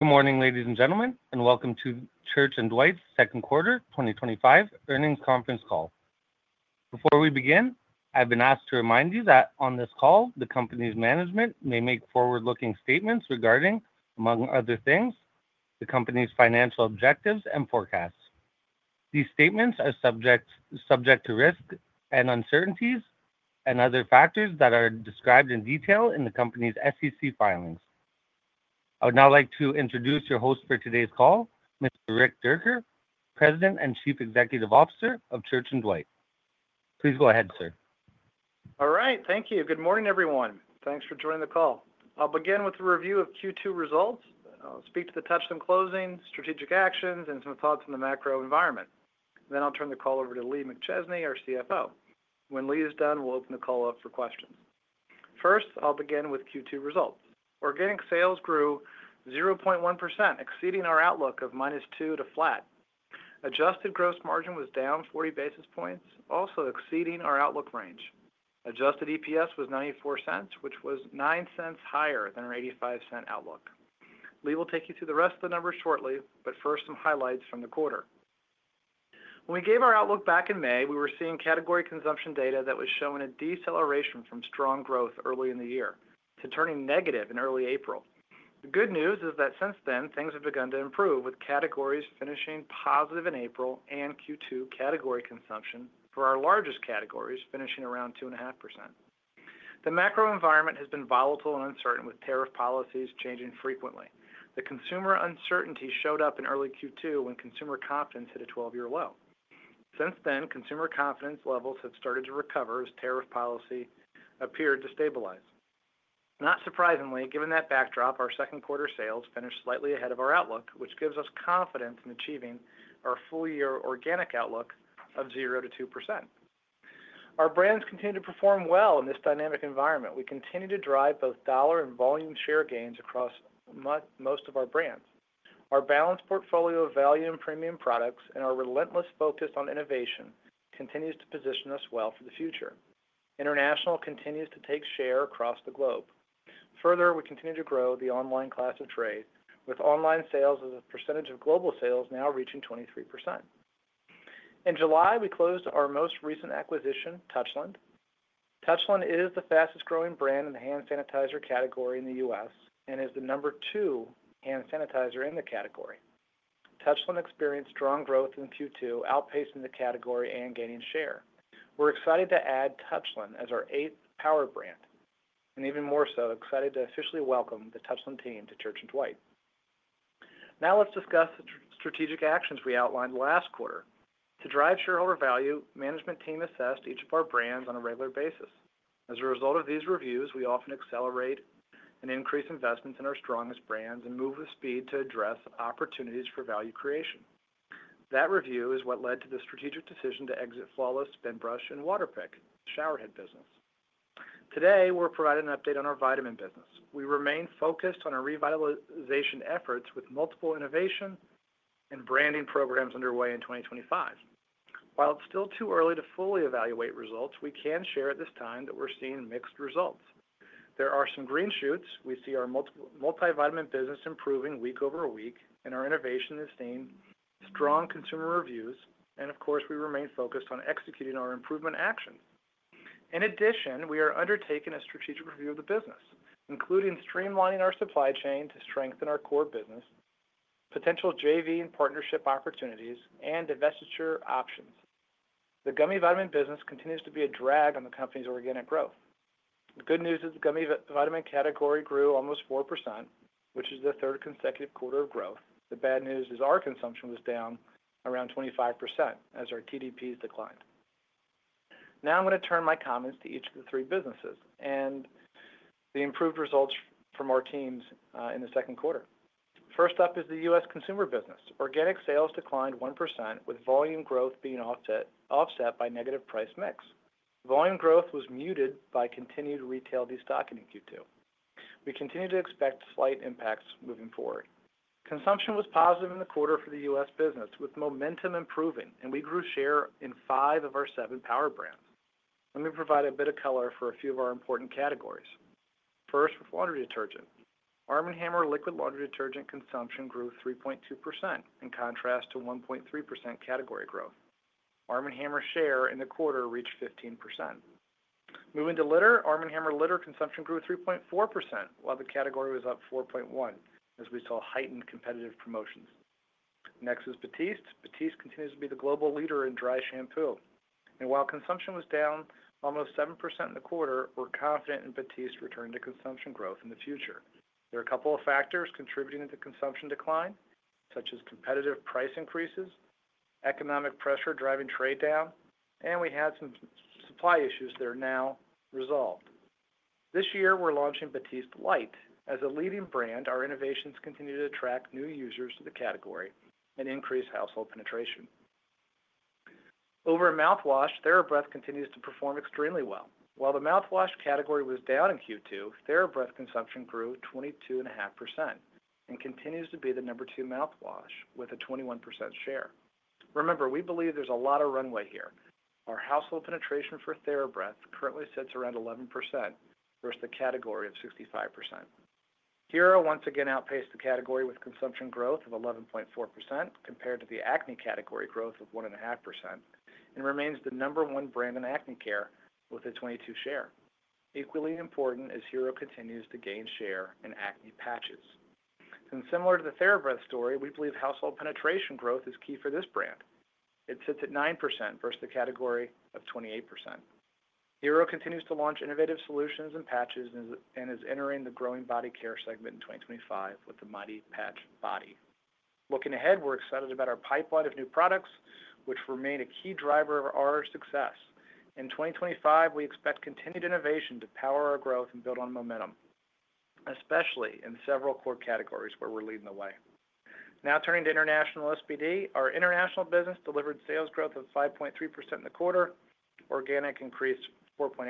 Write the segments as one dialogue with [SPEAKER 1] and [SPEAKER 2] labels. [SPEAKER 1] Good morning, ladies and gentlemen, and welcome to Church & Dwight's second quarter 2025 earnings conference call. Before we begin, I've been asked to remind you that on this call, the company's management may make forward-looking statements regarding, among other things, the company's financial objectives and forecasts. These statements are subject to risk and uncertainties and other factors that are described in detail in the company's SEC filings. I would now like to introduce your host for today's call, Mr. Rick Dierker, President and Chief Executive Officer of Church & Dwight. Please go ahead, sir.
[SPEAKER 2] All right. Thank you. Good morning, everyone. Thanks for joining the call. I'll begin with a review of Q2 results. I'll speak to the Touchland closing, strategic actions, and some thoughts on the macro environment. Then I'll turn the call over to Lee McChesney, our CFO. When Lee is done, we'll open the call up for questions. First, I'll begin with Q2 results. Organic sales grew 0.1%, exceeding our outlook of -2% to flat. Adjusted gross margin was down 40 basis points, also exceeding our outlook range. Adjusted EPS was $0.94, which was $0.09 higher than our $0.85 outlook. Lee will take you through the rest of the numbers shortly, but first, some highlights from the quarter. When we gave our outlook back in May, we were seeing category consumption data that was showing a deceleration from strong growth early in the year to turning negative in early April. The good news is that since then, things have begun to improve with categories finishing positive in April and Q2 category consumption for our largest categories finishing around 2.5%. The macro environment has been volatile and uncertain, with tariff policies changing frequently. The consumer uncertainty showed up in early Q2 when consumer confidence hit a 12-year low. Since then, consumer confidence levels have started to recover as tariff policy appeared to stabilize. Not surprisingly, given that backdrop, our second quarter sales finished slightly ahead of our outlook, which gives us confidence in achieving our full-year organic outlook of 0%-2%. Our brands continue to perform well in this dynamic environment. We continue to drive both dollar and volume share gains across most of our brands. Our balanced portfolio of value and premium products and our relentless focus on innovation continue to position us well for the future. International continues to take share across the globe. Further, we continue to grow the online class of trade, with online sales as a percentage of global sales now reaching 23%. In July, we closed our most recent acquisition, Touchland. Touchland is the fastest growing brand in the hand sanitizer category in the U.S. and is the number two hand sanitizer in the category. Touchland experienced strong growth in Q2, outpacing the category and gaining share. We're excited to add Touchland as our eighth power brand and even more so, excited to officially welcome the Touchland team to Church & Dwight. Now let's discuss the strategic actions we outlined last quarter. To drive shareholder value, the management team assessed each of our brands on a regular basis. As a result of these reviews, we often accelerate and increase investments in our strongest brands and move with speed to address opportunities for value creation. That review is what led to the strategic decision to exit Flawless, Spinbrush, and Waterpik showerhead business. Today, we're providing an update on our vitamin business. We remain focused on our revitalization efforts with multiple innovation and branding programs underway in 2025. While it's still too early to fully evaluate results, we can share at this time that we're seeing mixed results. There are some green shoots. We see our multivitamin business improving week-over-week, and our innovation is seeing strong consumer reviews. Of course, we remain focused on executing our improvement actions. In addition, we are undertaking a strategic review of the business, including streamlining our supply chain to strengthen our core business, potential joint venture and partnership opportunities, and divestiture options. The gummy vitamin business continues to be a drag on the company's organic sales growth. The good news is the gummy vitamin category grew almost 4%, which is the third consecutive quarter of growth. The bad news is our consumption was down around 25% as our TDPs declined. Now I'm going to turn my comments to each of the three businesses and the improved results from our teams in the second quarter. First up is the U.S. consumer business. Organic sales declined 1%, with volume growth being offset by negative price mix. Volume growth was muted by continued retail destocking in Q2. We continue to expect slight impacts moving forward. Consumption was positive in the quarter for the U.S. business, with momentum improving, and we grew share in five of our seven power brands. Let me provide a bit of color for a few of our important categories. First, with laundry detergent, ARM & HAMMER liquid laundry detergent consumption grew 3.2% in contrast to 1.3% category growth. ARM & HAMMER share in the quarter reached 15%. Moving to litter, ARM & HAMMER litter consumption grew 3.4% while the category was up 4.1% as we saw heightened competitive promotions. Next is Batiste. Batiste continues to be the global leader in dry shampoo. While consumption was down almost 7% in the quarter, we're confident in Batiste's return to consumption growth in the future. There are a couple of factors contributing to the consumption decline, such as competitive price increases, economic pressure driving trade down, and we had some supply issues that are now resolved. This year, we're launching Batiste Light. As a leading brand, our innovations continue to attract new users to the category and increase household penetration. Over at mouthwash, TheraBreath continues to perform extremely well. While the mouthwash category was down in Q2, TheraBreath consumption grew 22.5% and continues to be the number two mouthwash with a 21% share. Remember, we believe there's a lot of runway here. Our household penetration for TheraBreath currently sits around 11% versus the category of 65%. HERO once again outpaced the category with consumption growth of 11.4% compared to the acne category growth of 1.5% and remains the number one brand in acne care with a 22% share. Equally important is HERO continues to gain share in acne patches. Similar to the TheraBreath story, we believe household penetration growth is key for this brand. It sits at 9% versus the category of 28%. HERO continues to launch innovative solutions and patches and is entering the growing body care segment in 2025 with the Mighty Patch Body. Looking ahead, we're excited about our pipeline of new products, which remain a key driver of our success. In 2025, we expect continued innovation to power our growth and build on momentum, especially in several core categories where we're leading the way. Now turning to International SPD, our international business delivered sales growth of 5.3% in the quarter. Organic increased 4.8%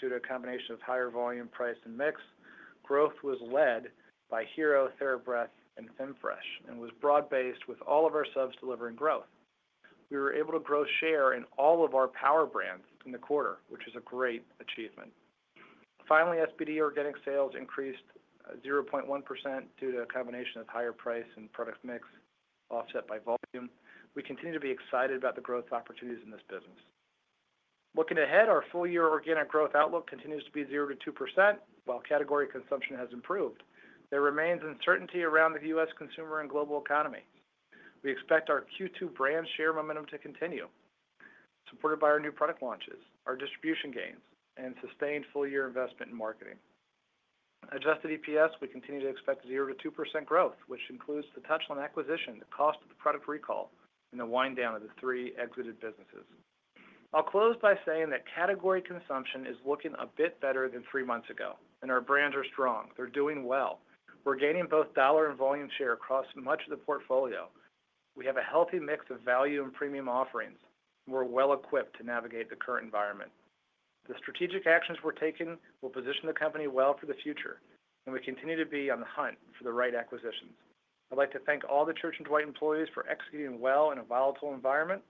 [SPEAKER 2] due to a combination of higher volume, price, and mix. Growth was led by HERO, TheraBreath, and ThinFresh and was broad-based with all of our subs delivering growth. We were able to grow share in all of our power brands in the quarter, which is a great achievement. Finally, SPD organic sales increased 0.1% due to a combination of higher price and product mix offset by volume. We continue to be excited about the growth opportunities in this business. Looking ahead, our full-year organic growth outlook continues to be 0%-2% while category consumption has improved. There remains uncertainty around the U.S. consumer and global economy. We expect our Q2 brand share momentum to continue, supported by our new product launches, our distribution gains, and sustained full-year investment in marketing. Adjusted EPS, we continue to expect 0%-2% growth, which includes the Touchland acquisition, the cost of the product recall, and the wind down of the three exited businesses. I'll close by saying that category consumption is looking a bit better than three months ago, and our brands are strong. They're doing well. We're gaining both dollar and volume share across much of the portfolio. We have a healthy mix of value and premium offerings, and we're well-equipped to navigate the current environment. The strategic actions we're taking will position the company well for the future, and we continue to be on the hunt for the right acquisitions. I'd like to thank all the Church & Dwight employees for executing well in a volatile environment.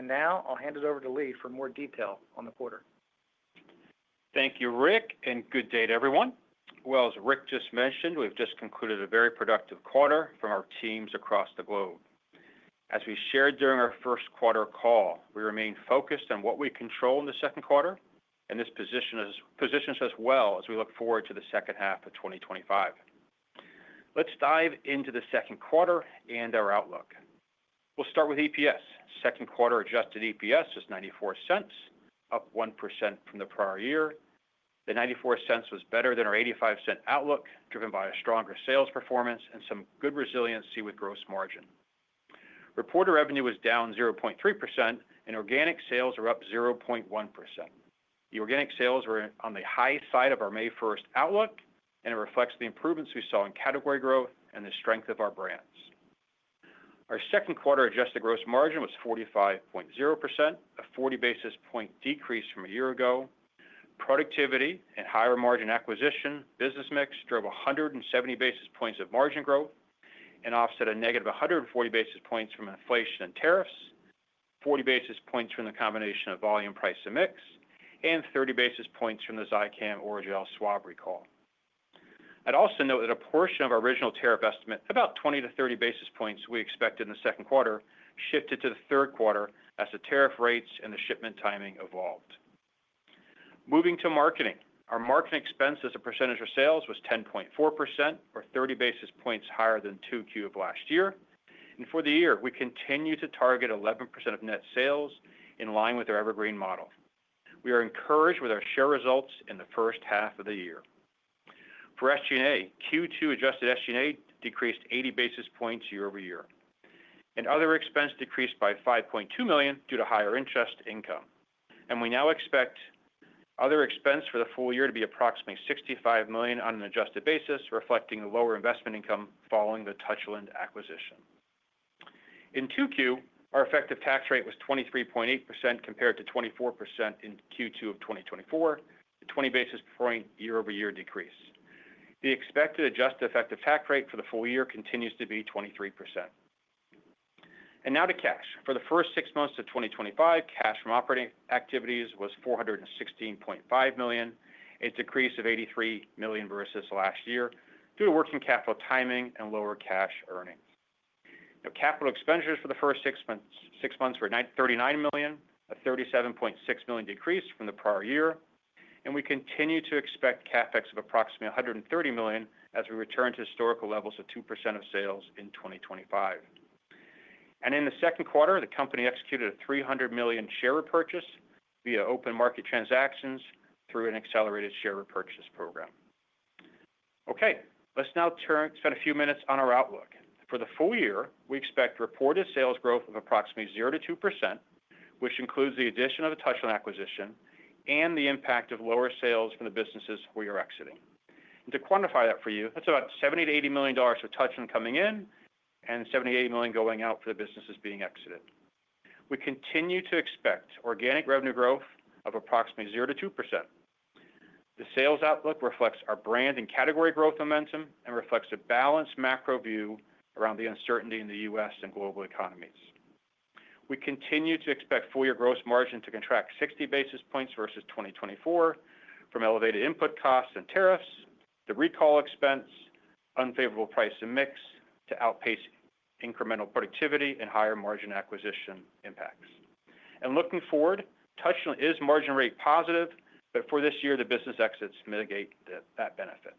[SPEAKER 2] Now I'll hand it over to Lee for more detail on the quarter.
[SPEAKER 3] Thank you, Rick, and good day, everyone. As Rick just mentioned, we've just concluded a very productive quarter from our teams across the globe. As we shared during our first quarter call, we remain focused on what we control in the second quarter, and this positions us as well as we look forward to the second half of 2025. Let's dive into the second quarter and our outlook. We'll start with EPS. Second quarter adjusted EPS was $0.94, up 1% from the prior year. The $0.94 was better than our $0.85 outlook, driven by a stronger sales performance and some good resiliency with gross margin. Reported revenue was down 0.3%, and organic sales were up 0.1%. The organic sales were on the high side of our May 1 outlook, and it reflects the improvements we saw in category growth and the strength of our brands. Our second quarter adjusted gross margin was 45.0%, a 40 basis point decrease from a year ago. Productivity and higher margin acquisition business mix drove 170 basis points of margin growth and offset a -140 basis points from inflation and tariffs, 40 basis points from the combination of volume, price, and mix, and 30 basis points from the Zicam Orajel swab recall. I'd also note that a portion of our original tariff estimate, about 20-30 basis points we expected in the second quarter, shifted to the third quarter as the tariff rates and the shipment timing evolved. Moving to marketing, our marketing expenses percentage of sales was 10.4%, or 30 basis points higher than 2Q of last year. For the year, we continue to target 11% of net sales in line with our evergreen model. We are encouraged with our share results in the first half of the year. For SG&A, Q2 adjusted SG&A decreased 80 basis points year-over-year, and other expense decreased by $5.2 million due to higher interest income. We now expect other expense for the full year to be approximately $65 million on an adjusted basis, reflecting lower investment income following the Touchland acquisition. In 2Q, our effective tax rate was 23.8% compared to 24% in Q2 of 2024, a 20 basis point year-over-year decrease. The expected adjusted effective tax rate for the full year continues to be 23%. Now to cash. For the first six months of 2025, cash from operating activities was $416.5 million, a decrease of $83 million versus last year due to working capital timing and lower cash earnings. Now, capital expenditures for the first six months were $39 million, a $37.6 million decrease from the prior year. We continue to expect CapEx of approximately $130 million as we return to historical levels of 2% of sales in 2025. In the second quarter, the company executed a $300 million share repurchase via open market transactions through an accelerated share repurchase program. Let's now spend a few minutes on our outlook. For the full year, we expect reported sales growth of approximately 0%-2%, which includes the addition of the Touchland acquisition and the impact of lower sales from the businesses we are exiting. To quantify that for you, that's about $70 million-$80 million for Touchland coming in and $70 million-$80 million going out for the businesses being exited. We continue to expect organic revenue growth of approximately 0%-2%. The sales outlook reflects our brand and category growth momentum and reflects a balanced macro view around the uncertainty in the U.S. and global economies. We continue to expect full-year gross margin to contract 60 basis points versus 2024 from elevated input costs and tariffs, the recall expense, and unfavorable price and mix to outpace incremental productivity and higher margin acquisition impacts. Looking forward, Touchland is margin rate positive, but for this year, the business exits mitigate that benefit.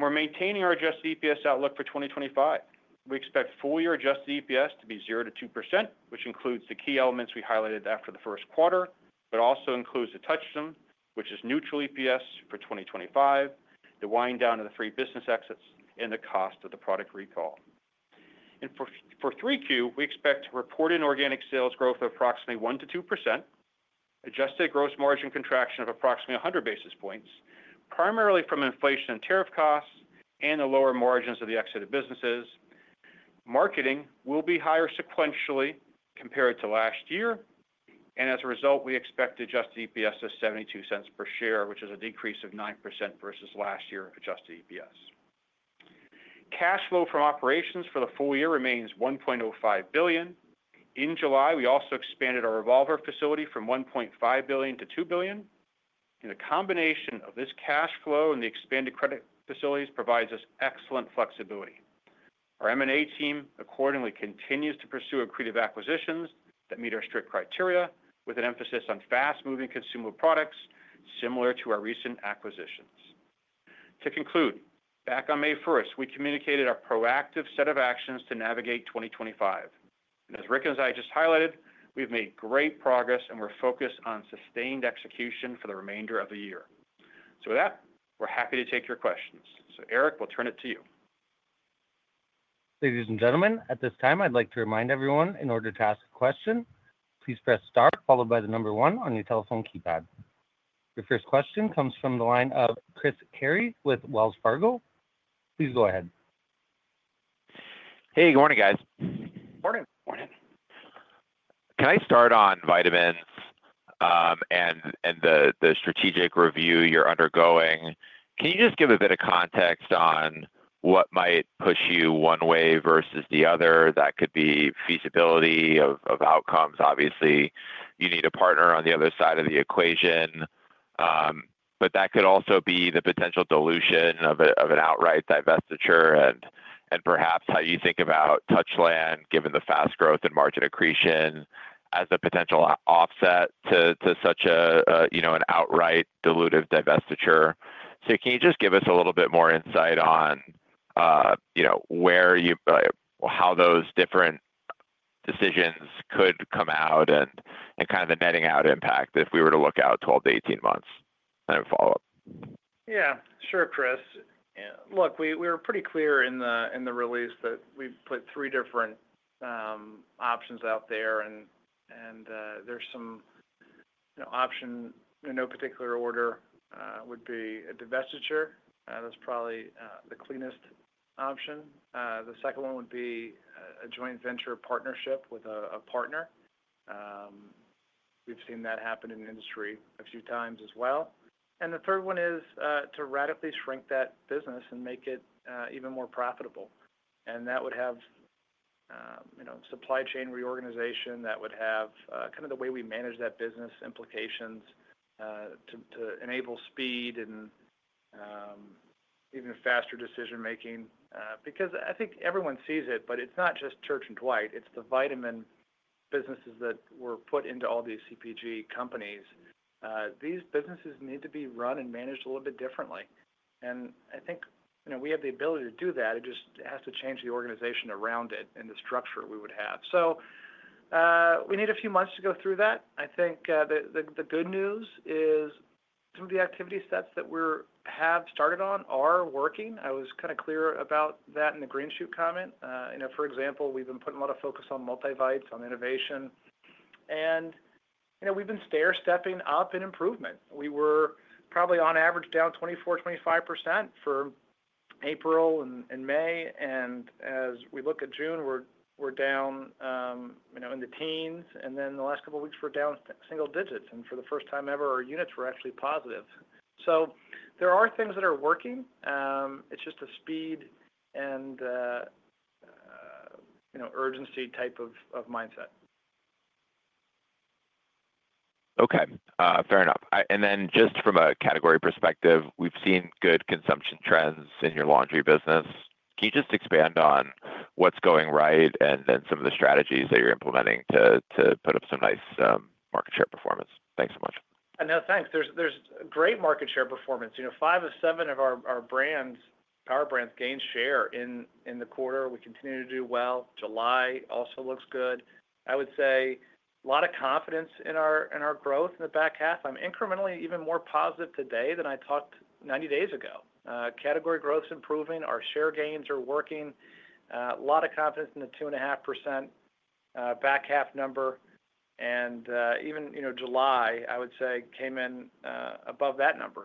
[SPEAKER 3] We're maintaining our adjusted EPS outlook for 2025. We expect full-year adjusted EPS to be 0%-2%, which includes the key elements we highlighted after the first quarter, but also includes Touchland, which is neutral EPS for 2025, the wind down of the three business exits, and the cost of the product recall. For 3Q, we expect reported organic sales growth of approximately 1%-2%, adjusted gross margin contraction of approximately 100 basis points, primarily from inflation and tariff costs and the lower margins of the exited businesses. Marketing will be higher sequentially compared to last year. As a result, we expect adjusted EPS of $0.72 per share, which is a decrease of 9% versus last year adjusted EPS. Cash flow from operations for the full year remains $1.05 billion. In July, we also expanded our revolver facility from $1.5 billion-$2 billion. The combination of this cash flow and the expanded credit facilities provides us excellent flexibility. Our M&A team accordingly continues to pursue accretive acquisitions that meet our strict criteria with an emphasis on fast-moving consumable products similar to our recent acquisitions. To conclude, back on May 1, we communicated our proactive set of actions to navigate 2025. As Rick and I just highlighted, we've made great progress and we're focused on sustained execution for the remainder of the year. With that, we're happy to take your questions. Eric, we'll turn it to you.
[SPEAKER 1] Ladies and gentlemen, at this time, I'd like to remind everyone in order to ask a question, please press star followed by the number one on your telephone keypad. Your first question comes from the line of Chris Carey with Wells Fargo. Please go ahead.
[SPEAKER 4] Hey, good morning, guys.
[SPEAKER 2] Morning.
[SPEAKER 4] Morning. Can I start on vitamins and the strategic review you're undergoing? Can you just give a bit of context on what might push you one way versus the other? That could be feasibility of outcomes. Obviously, you need a partner on the other side of the equation, but that could also be the potential dilution of an outright divestiture and perhaps how you think about Touchland, given the fast growth and margin accretion as a potential offset to such a, you know, an outright dilutive divestiture. Can you just give us a little bit more insight on where you, how those different decisions could come out and kind of the netting out impact if we were to look out 12-18 months and then follow up?
[SPEAKER 2] Yeah, sure, Chris. We were pretty clear in the release that we put three different options out there. There's some option, in no particular order, would be a divestiture. That's probably the cleanest option. The second one would be a joint venture partnership with a partner. We've seen that happen in the industry a few times as well. The third one is to radically shrink that business and make it even more profitable. That would have supply chain reorganization. That would have the way we manage that business implications to enable speed and even faster decision-making. I think everyone sees it, but it's not just Church & Dwight. It's the vitamin businesses that were put into all these CPG companies. These businesses need to be run and managed a little bit differently. I think we have the ability to do that. It just has to change the organization around it and the structure we would have. We need a few months to go through that. I think the good news is some of the activity sets that we have started on are working. I was kind of clear about that in the green shoot comment. For example, we've been putting a lot of focus on multivites, on innovation. We've been stair-stepping up in improvement. We were probably on average down 24%, 25% for April and May. As we look at June, we're down in the teens. In the last couple of weeks, we're down single-digits. For the first time ever, our units were actually positive. There are things that are working. It's just a speed and urgency type of mindset.
[SPEAKER 4] Okay. Fair enough. Just from a category perspective, we've seen good consumption trends in your laundry business. Can you expand on what's going right and some of the strategies that you're implementing to put up some nice market share performance? Thanks so much.
[SPEAKER 2] No, thanks. There's a great market share performance. You know, five of seven of our power brands gained share in the quarter. We continue to do well. July also looks good. I would say a lot of confidence in our growth in the back half. I'm incrementally even more positive today than I talked 90 days ago. Category growth is improving. Our share gains are working. A lot of confidence in the 2.5% back half number. Even, you know, July, I would say, came in above that number.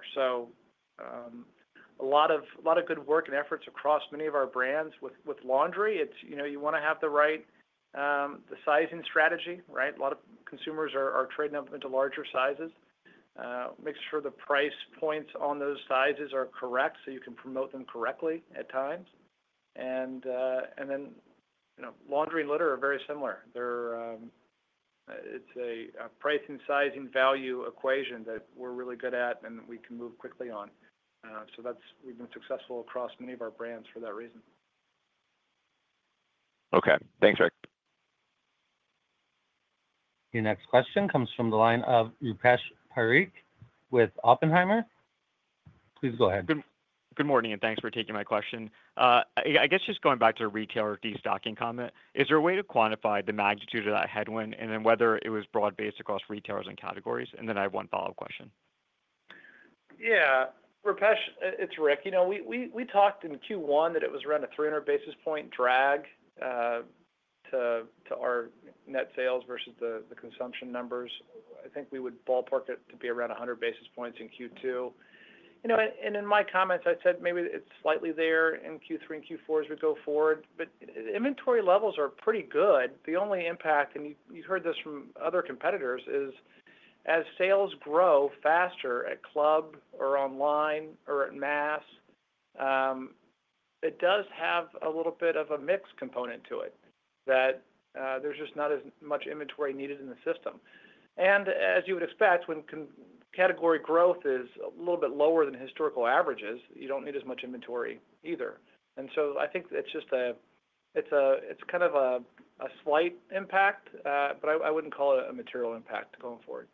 [SPEAKER 2] A lot of good work and efforts across many of our brands with laundry. You want to have the right sizing strategy, right? A lot of consumers are trading up into larger sizes. Make sure the price points on those sizes are correct so you can promote them correctly at times. Laundry and litter are very similar. It's a pricing, sizing, value equation that we're really good at and we can move quickly on. We've been successful across many of our brands for that reason.
[SPEAKER 4] Okay. Thanks, Rick.
[SPEAKER 1] Your next question comes from the line of Rupesh Parikh with Oppenheimer. Please go ahead.
[SPEAKER 5] Good morning, and thanks for taking my question. I guess just going back to the retailer destocking comment, is there a way to quantify the magnitude of that headwind, and whether it was broad-based across retailers and categories? I have one follow-up question.
[SPEAKER 2] Yeah. Rupesh, it's Rick. You know, we talked in Q1 that it was around a 300 basis point drag to our net sales versus the consumption numbers. I think we would ballpark it to be around 100 basis points in Q2. In my comments, I said maybe it's slightly there in Q3 and Q4 as we go forward, but inventory levels are pretty good. The only impact, and you've heard this from other competitors, is as sales grow faster at club or online or en masse, it does have a little bit of a mixed component to it that there's just not as much inventory needed in the system. As you would expect, when category growth is a little bit lower than historical averages, you don't need as much inventory either. I think it's just kind of a slight impact, but I wouldn't call it a material impact going forward.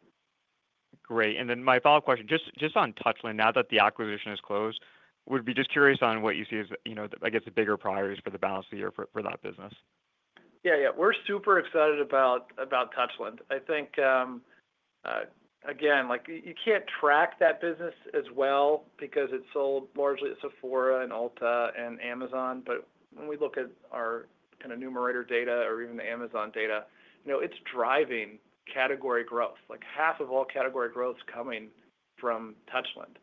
[SPEAKER 5] Great. My follow-up question, just on Touchland, now that the acquisition is closed, would be just curious on what you see as, you know, I guess, the bigger priorities for the balance of the year for that business.
[SPEAKER 2] Yeah, yeah. We're super excited about Touchland. I think, again, you can't track that business as well because it's sold largely at Sephora and Ulta and Amazon. When we look at our kind of numerator data or even the Amazon data, it's driving category growth. Like half of all category growth is coming from Touchland.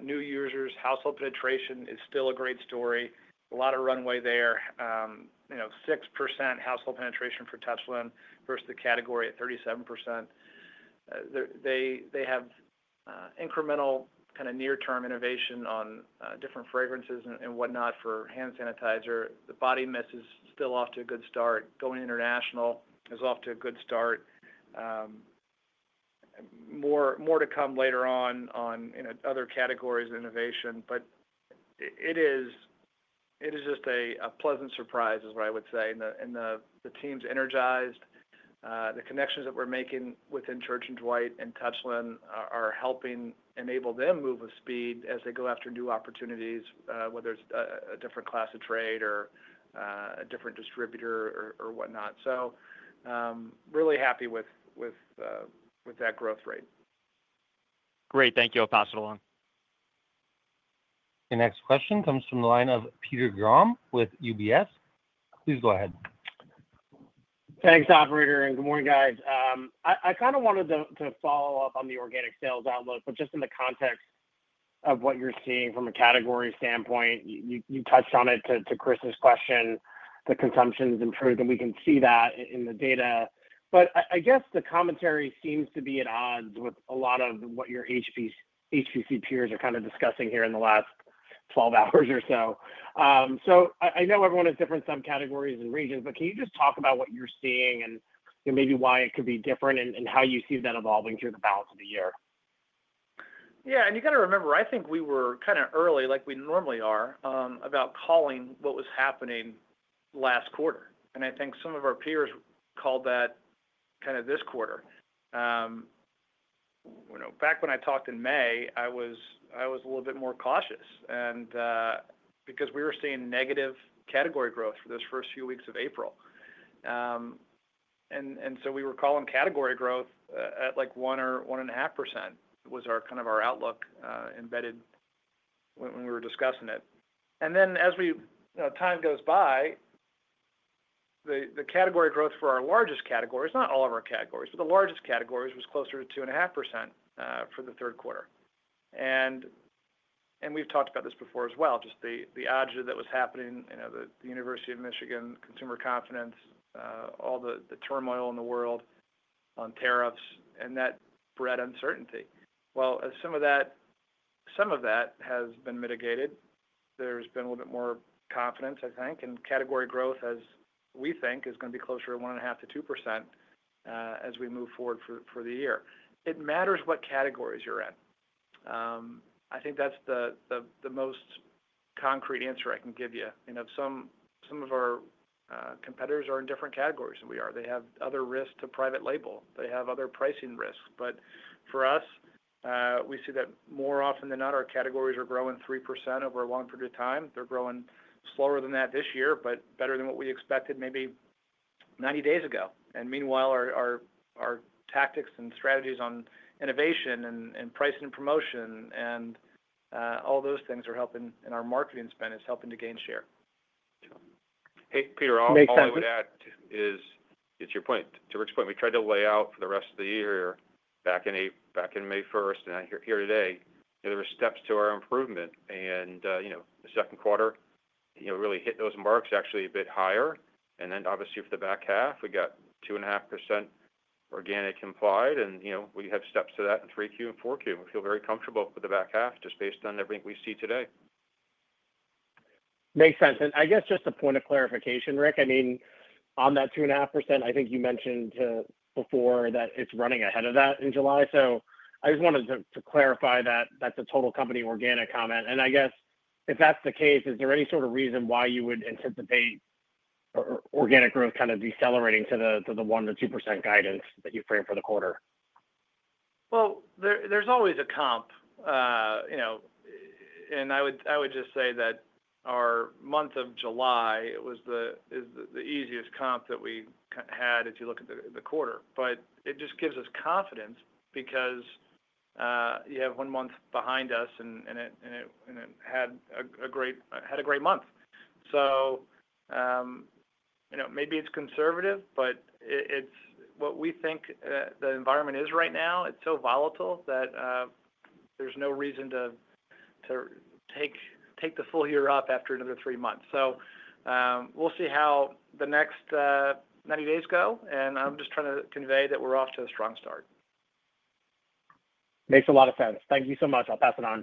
[SPEAKER 2] New users, household penetration is still a great story. A lot of runway there. You know, 6% household penetration for Touchland versus the category at 37%. They have incremental kind of near-term innovation on different fragrances and whatnot for hand sanitizer. The body mist is still off to a good start. Going international is off to a good start. More to come later on, you know, other categories of innovation. It is just a pleasant surprise is what I would say. The team's energized. The connections that we're making within Church & Dwight and Touchland are helping enable them to move with speed as they go after new opportunities, whether it's a different class of trade or a different distributor or whatnot. Really happy with that growth rate.
[SPEAKER 5] Great. Thank you. I'll pass it along.
[SPEAKER 1] Your next question comes from the line of Peter Grom with UBS. Please go ahead.
[SPEAKER 6] Thanks, operator. Good morning, guys. I wanted to follow up on the organic sales outlook, just in the context of what you're seeing from a category standpoint. You touched on it in response to Chris's question. The consumption's improved, and we can see that in the data. The commentary seems to be at odds with a lot of what your HPC peers are discussing here in the last 12 hours or so. I know everyone has different subcategories and regions, but can you talk about what you're seeing and maybe why it could be different and how you see that evolving through the balance of the year?
[SPEAKER 2] Yeah. You got to remember, I think we were kind of early, like we normally are, about calling what was happening last quarter. I think some of our peers called that kind of this quarter. You know, back when I talked in May, I was a little bit more cautious, because we were seeing negative category growth for those first few weeks of April. We were calling category growth at like 1% or 1.5% was our outlook embedded when we were discussing it. As time goes by, the category growth for our largest categories, not all of our categories, but the largest categories, was closer to 2.5% for the third quarter. We've talked about this before as well, just the odds that was happening, the University of Michigan consumer confidence, all the turmoil in the world on tariffs, and that bred uncertainty. Some of that has been mitigated. There's been a little bit more confidence, I think, and category growth, as we think, is going to be closer to 1.5%-2% as we move forward for the year. It matters what categories you're in. I think that's the most concrete answer I can give you. Some of our competitors are in different categories than we are. They have other risks to private label. They have other pricing risks. For us, we see that more often than not, our categories are growing 3% over a long period of time. They're growing slower than that this year, but better than what we expected maybe 90 days ago. Meanwhile, our tactics and strategies on innovation and pricing and promotion and all those things are helping, and our marketing spend is helping to gain share. Sure.
[SPEAKER 3] Hey, Peter, I'll add to that. It's your point, to Rick's point. We tried to lay out for the rest of the year back on May 1st, and I hear here today, you know, there were steps to our improvement. The second quarter really hit those marks, actually a bit higher. Obviously, for the back half, we got 2.5% organic implied, and we have steps to that in 3Q and 4Q. We feel very comfortable with the back half just based on everything we see today.
[SPEAKER 6] Makes sense. I guess just a point of clarification, Rick. On that 2.5%, I think you mentioned before that it's running ahead of that in July. I just wanted to clarify that that's a total company organic comment. I guess if that's the case, is there any sort of reason why you would anticipate organic growth kind of decelerating to the 1%-2% guidance that you frame for the quarter?
[SPEAKER 2] There is always a comp. I would just say that our month of July was the easiest comp that we had if you look at the quarter. It just gives us confidence because you have one month behind us and it had a great month. Maybe it's conservative, but it's what we think the environment is right now. It's so volatile that there's no reason to take the full year up after another three months. We'll see how the next 90 days go. I'm just trying to convey that we're off to a strong start.
[SPEAKER 6] Makes a lot of sense. Thank you so much. I'll pass it on.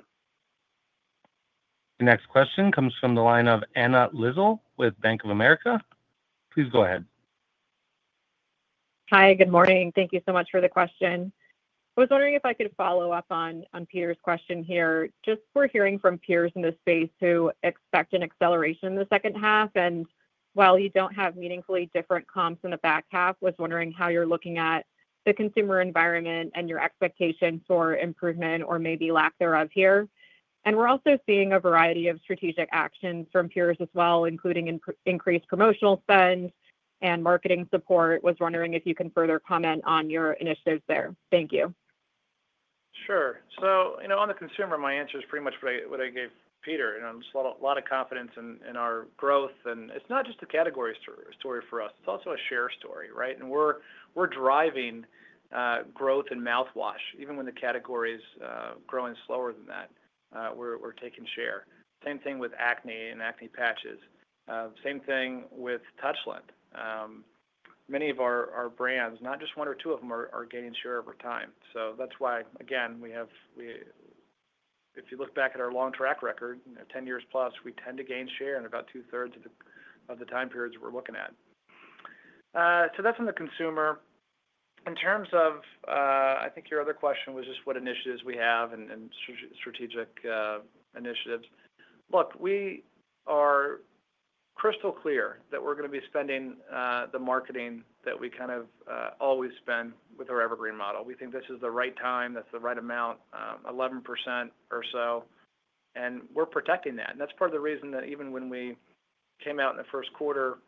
[SPEAKER 1] The next question comes from the line of Anna Lizzul with Bank of America. Please go ahead.
[SPEAKER 7] Hi, good morning. Thank you so much for the question. I was wondering if I could follow up on Peter's question here. We're hearing from peers in this space who expect an acceleration in the second half. While you don't have meaningfully different comps in the back half, I was wondering how you're looking at the consumer environment and your expectations for improvement or maybe lack thereof here. We're also seeing a variety of strategic actions from peers as well, including increased promotional spend and marketing support. I was wondering if you can further comment on your initiatives there. Thank you.
[SPEAKER 2] Sure. On the consumer, my answer is pretty much what I gave Peter. Just a lot of confidence in our growth. It's not just a category story for us. It's also a share story, right? We're driving growth in mouthwash. Even when the category is growing slower than that, we're taking share. Same thing with acne and acne patches. Same thing with Touchland. Many of our brands, not just one or two of them, are gaining share over time. That's why, again, if you look back at our long track record, 10+ years, we tend to gain share in about 2/3 of the time periods we're looking at. That's on the consumer. In terms of, I think your other question was just what initiatives we have and strategic initiatives. We are crystal clear that we're going to be spending the marketing that we kind of always spend with our evergreen model. We think this is the right time. That's the right amount, 11% or so. We're protecting that. That's part of the reason that even when we came out in the first quarter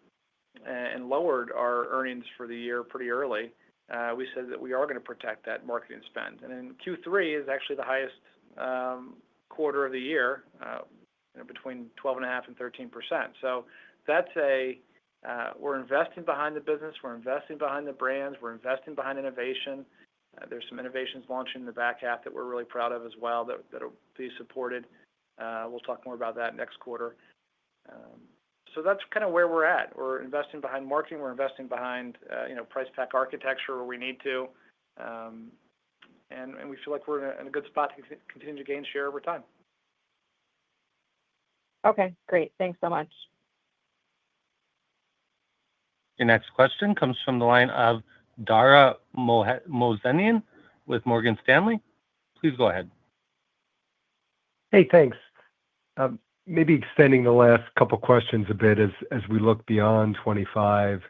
[SPEAKER 2] and lowered our earnings for the year pretty early, we said that we are going to protect that marketing spend. Q3 is actually the highest quarter of the year, between 12.5% and 13%. We're investing behind the business. We're investing behind the brands. We're investing behind innovation. There are some innovations launching in the back half that we're really proud of as well that will be supported. We'll talk more about that next quarter. That's kind of where we're at. We're investing behind marketing. We're investing behind price pack architecture where we need to. We feel like we're in a good spot to continue to gain share over time.
[SPEAKER 7] Okay. Great. Thanks so much.
[SPEAKER 1] Your next question comes from the line of Dara Mohsenian with Morgan Stanley. Please go ahead.
[SPEAKER 8] Hey, thanks. Maybe extending the last couple of questions a bit as we look beyond 2025.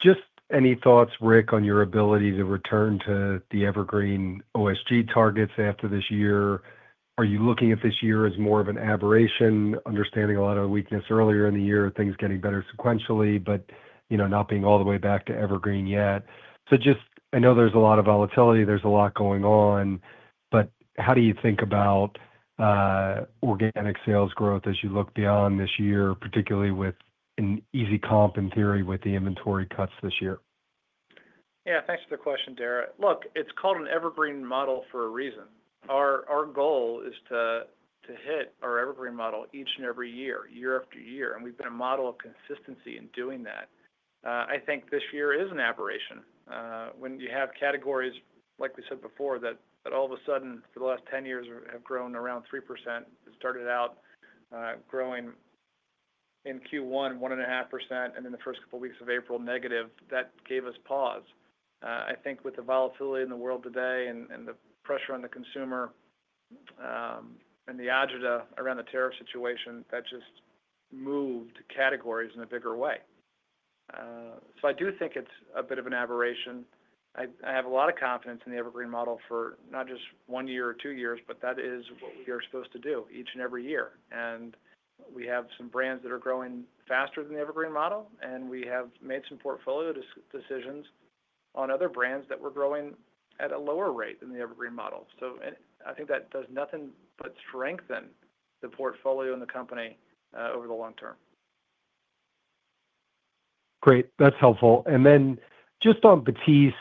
[SPEAKER 8] Just any thoughts, Rick, on your ability to return to the evergreen OSG targets after this year? Are you looking at this year as more of an aberration, understanding a lot of the weakness earlier in the year, things getting better sequentially, but you know not being all the way back to evergreen yet? I know there's a lot of volatility. There's a lot going on. How do you think about organic sales growth as you look beyond this year, particularly with an easy comp in theory with the inventory cuts this year?
[SPEAKER 2] Yeah, thanks for the question, Dara. Look, it's called an evergreen model for a reason. Our goal is to hit our evergreen model each and every year, year after year. We've been a model of consistency in doing that. I think this year is an aberration. When you have categories, like we said before, that all of a sudden for the last 10 years have grown around 3%, it started out growing in Q1 1.5% and then the first couple of weeks of April negative, that gave us pause. I think with the volatility in the world today and the pressure on the consumer and the agita around the tariff situation, that just moved categories in a bigger way. I do think it's a bit of an aberration. I have a lot of confidence in the evergreen model for not just one year or two years, but that is what we are supposed to do each and every year. We have some brands that are growing faster than the evergreen model. We have made some portfolio decisions on other brands that were growing at a lower rate than the evergreen model. I think that does nothing but strengthen the portfolio in the company over the long-term.
[SPEAKER 8] Great. That's helpful. On Batiste,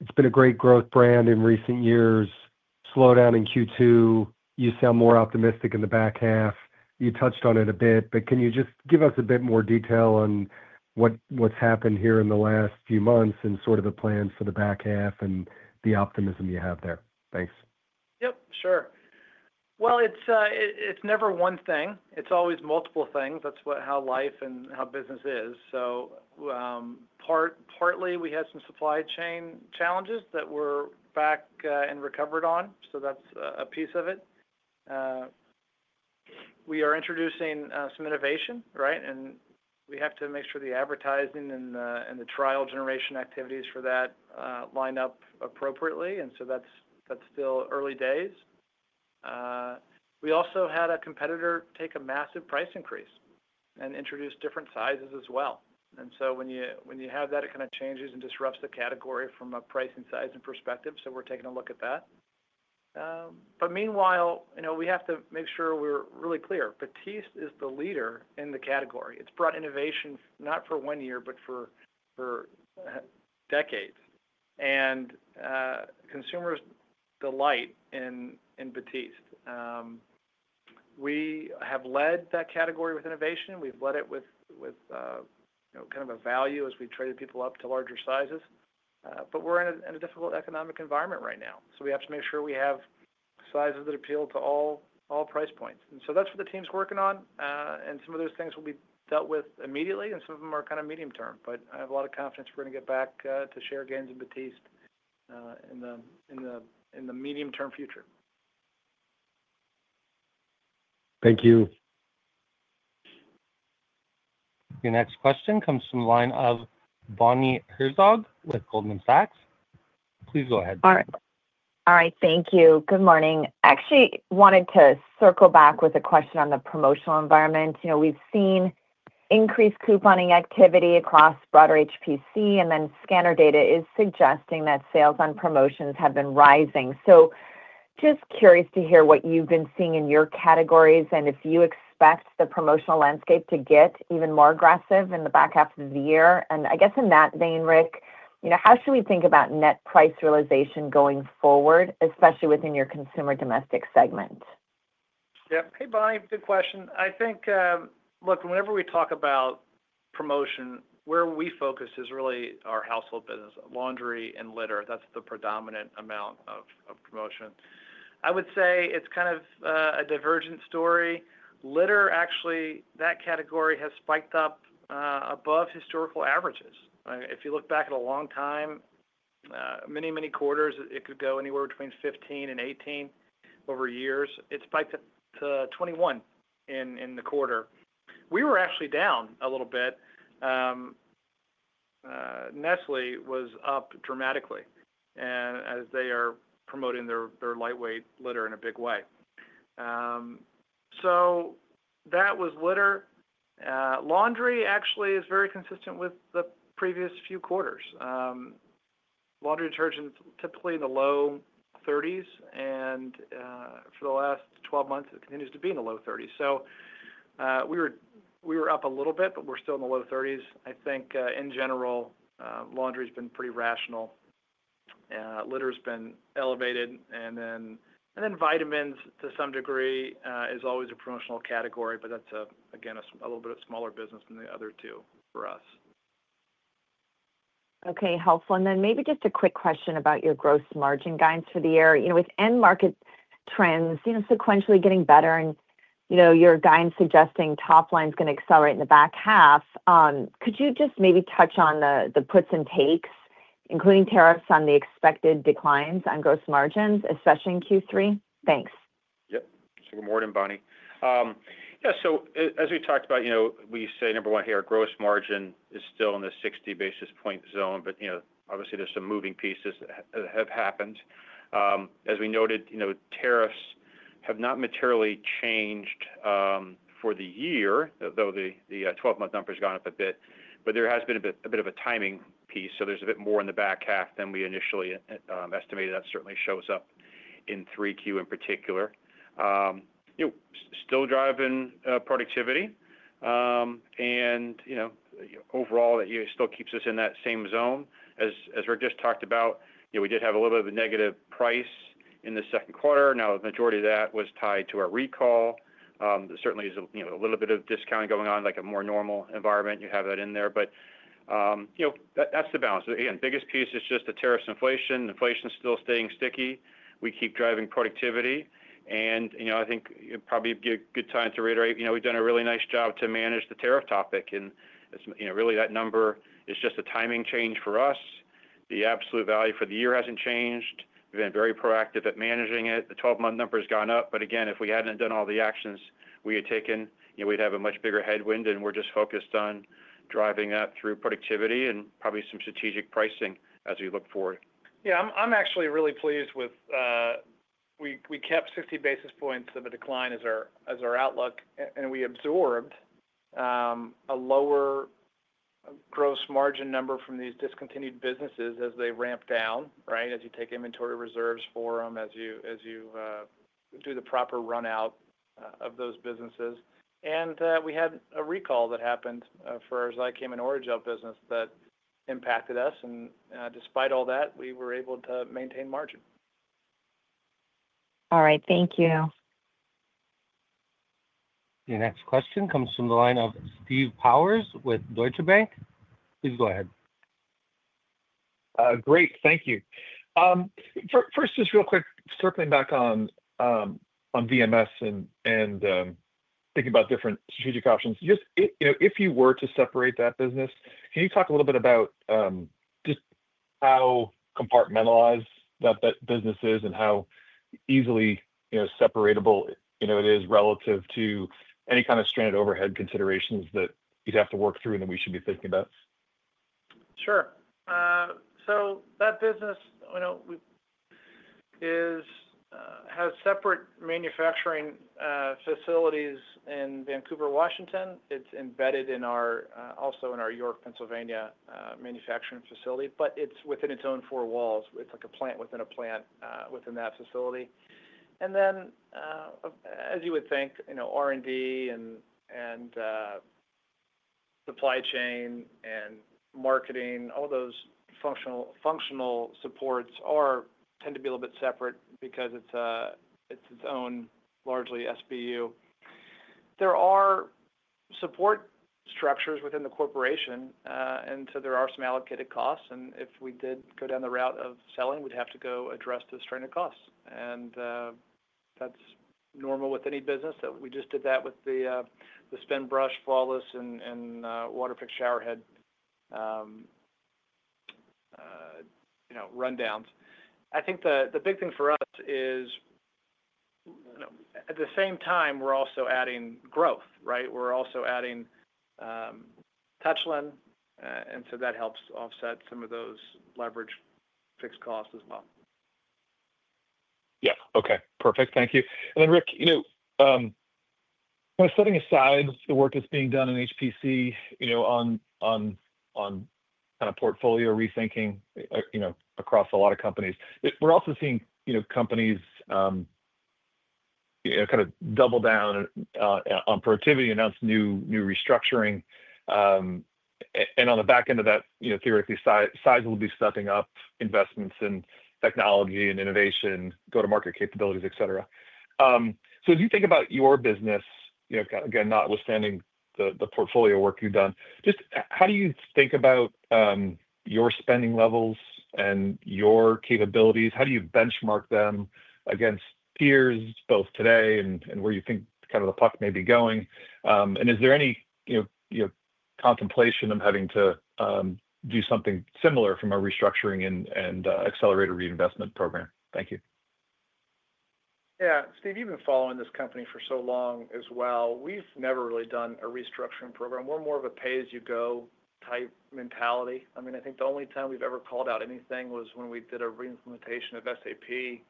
[SPEAKER 8] it's been a great growth brand in recent years. Slowdown in Q2. You sound more optimistic in the back half. You touched on it a bit, but can you just give us a bit more detail on what's happened here in the last few months and the plans for the back half and the optimism you have there? Thanks.
[SPEAKER 2] Sure. It's never one thing. It's always multiple things. That's how life and how business is. Partly, we had some supply chain challenges that we're back and recovered on. That's a piece of it. We are introducing some innovation, right? We have to make sure the advertising and the trial generation activities for that line up appropriately. That's still early days. We also had a competitor take a massive price increase and introduce different sizes as well. When you have that, it kind of changes and disrupts the category from a price and sizing perspective. We're taking a look at that. Meanwhile, we have to make sure we're really clear. Batiste is the leader in the category. It's brought innovation not for one year, but for decades. Consumers delight in Batiste. We have led that category with innovation. We've led it with kind of a value as we traded people up to larger sizes. We're in a difficult economic environment right now. We have to make sure we have sizes that appeal to all price points. That's what the team's working on. Some of those things will be dealt with immediately, and some of them are kind of medium term. I have a lot of confidence we're going to get back to share gains in Batiste in the medium-term future.
[SPEAKER 8] Thank you.
[SPEAKER 1] Your next question comes from the line of Bonnie Herzog with Goldman Sachs. Please go ahead.
[SPEAKER 9] All right. Thank you. Good morning. I wanted to circle back with a question on the promotional environment. We've seen increased couponing activity across broader HPC, and scanner data is suggesting that sales on promotions have been rising. I am curious to hear what you've been seeing in your categories and if you expect the promotional landscape to get even more aggressive in the back half of the year. In that vein, Rick, how should we think about net price realization going forward, especially within your consumer domestic segment?
[SPEAKER 2] Yeah. Hey, Bonnie. Good question. I think, look, whenever we talk about promotion, where we focus is really our household business, laundry and litter. That's the predominant amount of promotion. I would say it's kind of a divergent story. Litter, actually, that category has spiked up above historical averages. If you look back at a long time, many, many quarters, it could go anywhere between 15% and 18% over years. It spiked up to 21% in the quarter. We were actually down a little bit. Nestlé was up dramatically, as they are promoting their lightweight litter in a big way. That was litter. Laundry actually is very consistent with the previous few quarters. Laundry detergent is typically in the low 30%, and for the last 12 months, it continues to be in the low 30%. We were up a little bit, but we're still in the low 30%. I think in general, laundry has been pretty rational. Litter has been elevated. Vitamins to some degree is always a promotional category, but that's again, a little bit smaller business than the other two for us.
[SPEAKER 9] Okay. Helpful. Maybe just a quick question about your gross margin guidance for the year. With end market trends sequentially getting better, and your guidance suggesting top line is going to accelerate in the back half, could you just maybe touch on the puts and takes, including tariffs on the expected declines on gross margins, especially in Q3? Thanks.
[SPEAKER 3] Yep. Good morning, Bonnie. As we talked about, we say number one here, our gross margin is still in the 60 basis point zone, but obviously, there's some moving pieces that have happened. As we noted, tariffs have not materially changed for the year, though the 12-month number has gone up a bit. There has been a bit of a timing piece, so there's a bit more in the back half than we initially estimated. That certainly shows up in 3Q in particular. Still driving productivity, and overall, that still keeps us in that same zone. As Rick just talked about, we did have a little bit of a negative price in the second quarter. The majority of that was tied to our recall. There certainly is a little bit of discounting going on, like a more normal environment. You have that in there. That's the balance. Again, the biggest piece is just the tariffs and inflation. Inflation is still staying sticky. We keep driving productivity. I think it'd probably be a good time to reiterate, we've done a really nice job to manage the tariff topic. Really, that number is just a timing change for us. The absolute value for the year hasn't changed. We've been very proactive at managing it. The 12-month number has gone up. Again, if we hadn't done all the actions we had taken, we'd have a much bigger headwind. We're just focused on driving that through productivity and probably some strategic pricing as we look forward.
[SPEAKER 2] Yeah, I'm actually really pleased with, we kept 50 basis points of a decline as our outlook. We absorbed a lower gross margin number from these discontinued businesses as they ramp down, right? As you take inventory reserves for them, as you do the proper run-out of those businesses. We had a recall that happened for our Zicam and Orajel business that impacted us. Despite all that, we were able to maintain margin.
[SPEAKER 9] All right. Thank you.
[SPEAKER 1] Your next question comes from the line of Steve Powers with Deutsche Bank. Please go ahead.
[SPEAKER 10] Great. Thank you. First, just real quick, circling back on VMS and thinking about different strategic options. Just, you know, if you were to separate that business, can you talk a little bit about just how compartmentalized that business is and how easily, you know, separatable it is relative to any kind of stranded overhead considerations that you'd have to work through and that we should be thinking about?
[SPEAKER 2] Sure. That business has separate manufacturing facilities in Vancouver, Washington. It's embedded in our York, Pennsylvania, manufacturing facility, but it's within its own four walls. It's like a plant within a plant within that facility. As you would think, R&D, supply chain, and marketing, all those functional supports tend to be a little bit separate because it's its own largely SBU. There are support structures within the corporation, and there are some allocated costs. If we did go down the route of selling, we'd have to go address those stranded costs. That's normal with any business. We just did that with the Spinbrush, Flawless, and Waterpik showerhead rundowns. I think the big thing for us is, at the same time, we're also adding growth, right? We're also adding Touchland, and that helps offset some of those leveraged fixed costs as well.
[SPEAKER 11] Yeah. Okay. Perfect. Thank you. Rick, kind of setting aside the work that's being done in HPC, on portfolio rethinking across a lot of companies, we're also seeing companies double down on productivity, announce new restructuring. On the back end of that, theoretically, size will be stepping up investments in technology and innovation, go-to-market capabilities, etc. As you think about your business, again, notwithstanding the portfolio work you've done, just how do you think about your spending levels and your capabilities? How do you benchmark them against peers, both today and where you think the puck may be going? Is there any contemplation of having to do something similar from a restructuring and accelerator reinvestment program? Thank you.
[SPEAKER 2] Yeah. Steve, you've been following this company for so long as well. We've never really done a restructuring program. We're more of a pay-as-you-go type mentality. I mean, I think the only time we've ever called out anything was when we did a reimplementation of SAP,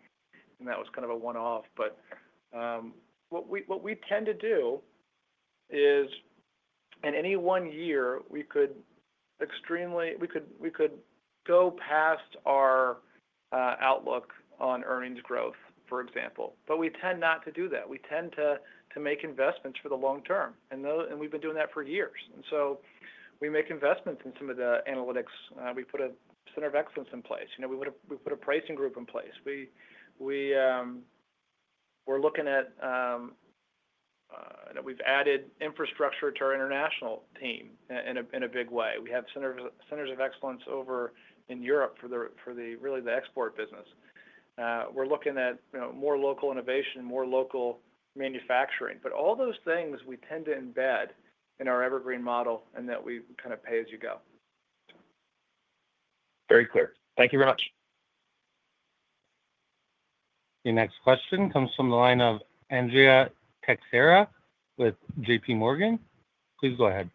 [SPEAKER 2] and that was kind of a one-off. What we tend to do is, in any one year, we could go past our outlook on earnings growth, for example. We tend not to do that. We tend to make investments for the long-term, and we've been doing that for years. We make investments in some of the analytics. We put a center of excellence in place. You know, we put a pricing group in place. We're looking at, you know, we've added infrastructure to our international team in a big way. We have centers of excellence over in Europe for really the export business. We're looking at more local innovation and more local manufacturing. All those things we tend to embed in our evergreen model and that we kind of pay as you go.
[SPEAKER 10] Very clear. Thank you very much.
[SPEAKER 1] Your next question comes from the line of Andrea Teixeira with JPMorgan. Please go ahead.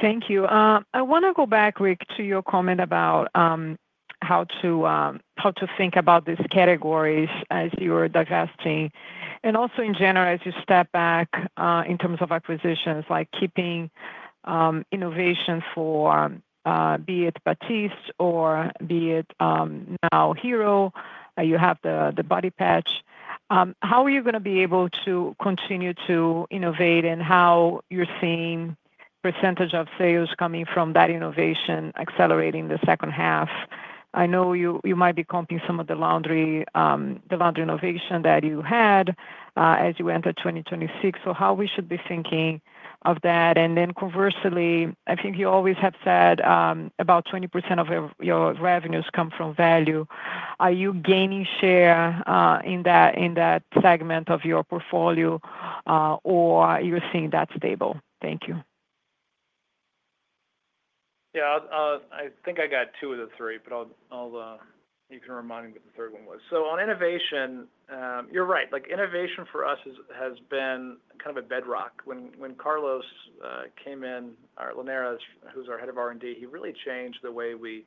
[SPEAKER 12] Thank you. I want to go back, Rick, to your comment about how to think about these categories as you're divesting. Also, in general, as you step back in terms of acquisitions, like keeping innovation for be it Batiste or be it now HERO, you have the body patch. How are you going to be able to continue to innovate and how you're seeing a percentage of sales coming from that innovation accelerating the second half? I know you might be comping some of the laundry innovation that you had as you enter 2026. How should we be thinking of that? Conversely, I think you always have said about 20% of your revenues come from value. Are you gaining share in that segment of your portfolio, or are you seeing that stable? Thank you.
[SPEAKER 2] Yeah, I think I got two of the three, but you can remind me what the third one was. On innovation, you're right. Innovation for us has been kind of a bedrock. When Carlos Linares, who's our Head of R&D, came in, he really changed the way we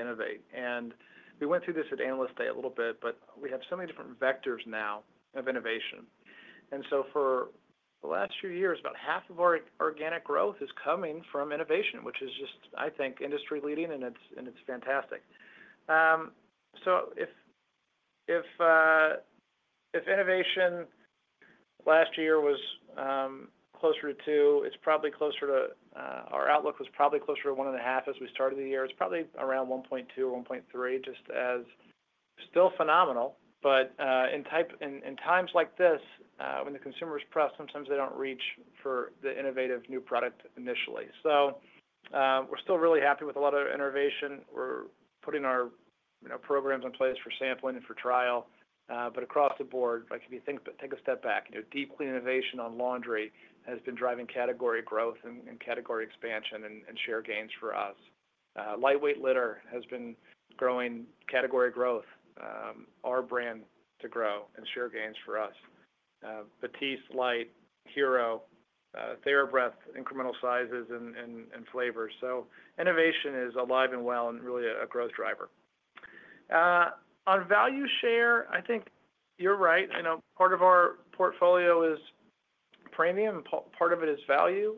[SPEAKER 2] innovate. We went through this at Analyst Day a little bit, but we have so many different vectors now of innovation. For the last few years, about half of our organic growth is coming from innovation, which is just, I think, industry-leading, and it's fantastic. If innovation last year was closer to two, it's probably closer to our outlook, was probably closer to one and a half as we started the year. It's probably around 1.2 or 1.3, which is still phenomenal. In times like this, when the consumer is pressed, sometimes they don't reach for the innovative new product initially. We're still really happy with a lot of innovation. We're putting our programs in place for sampling and for trial. Across the board, if you take a step back, deep clean innovation on laundry has been driving category growth and category expansion and share gains for us. Lightweight litter has been growing category growth, our brand to grow and share gains for us. Batiste, HERO, TheraBreath, incremental sizes and flavors. Innovation is alive and well and really a growth driver. On value share, I think you're right. Part of our portfolio is premium and part of it is value.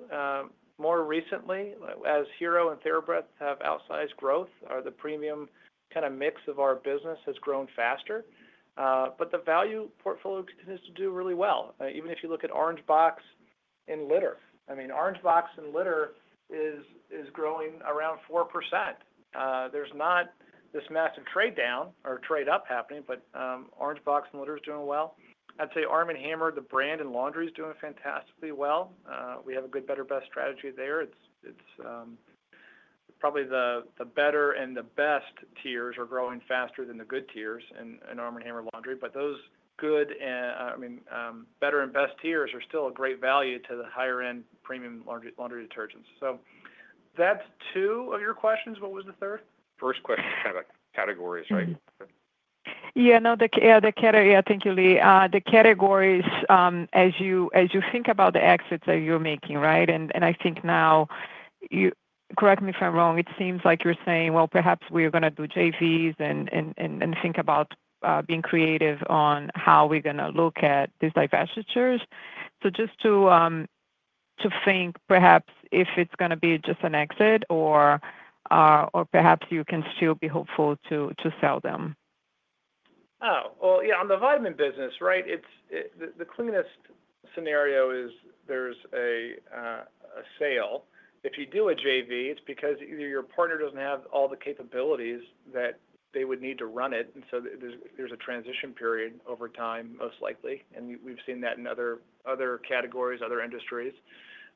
[SPEAKER 2] More recently, as HERO and TheraBreath have outsized growth, the premium kind of mix of our business has grown faster. The value portfolio continues to do really well. Even if you look at Orange Box and Litter. Orange Box and Litter is growing around 4%. There's not this massive trade down or trade up happening, but Orange Box and Litter is doing well. I'd say ARM & HAMMER, the brand in laundry, is doing fantastically well. We have a good, better, best strategy there. It's probably the better and the best tiers are growing faster than the good tiers in ARM & HAMMER laundry. Those better and best tiers are still a great value to the higher-end premium laundry detergents. That's two of your questions. What was the third?
[SPEAKER 3] First question is kind of about categories, right?
[SPEAKER 13] Yeah, thank you, Lee. The categories, as you think about the exits that you're making, right? I think now, correct me if I'm wrong, it seems like you're saying perhaps we are going to do joint ventures and think about being creative on how we're going to look at these divestitures. Just to think perhaps if it's going to be just an exit or perhaps you can still be hopeful to sell them.
[SPEAKER 2] On the vitamin business, right? The cleanest scenario is there's a sale. If you do a joint venture, it's because either your partner doesn't have all the capabilities that they would need to run it, and there's a transition period over time, most likely. We've seen that in other categories, other industries.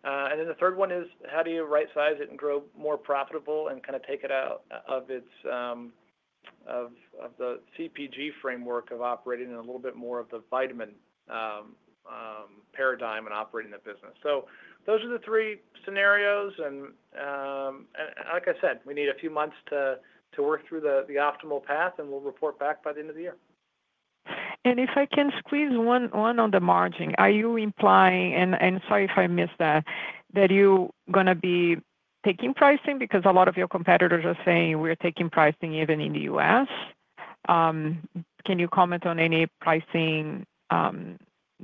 [SPEAKER 2] The third one is how do you right-size it and grow more profitable and kind of take it out of the CPG framework of operating in a little bit more of the vitamin paradigm and operating the business. Those are the three scenarios. Like I said, we need a few months to work through the optimal path, and we'll report back by the end of the year.
[SPEAKER 12] If I can squeeze one on the margin, are you implying, and sorry if I missed that, that you're going to be taking pricing because a lot of your competitors are saying we're taking pricing even in the U.S.? Can you comment on any pricing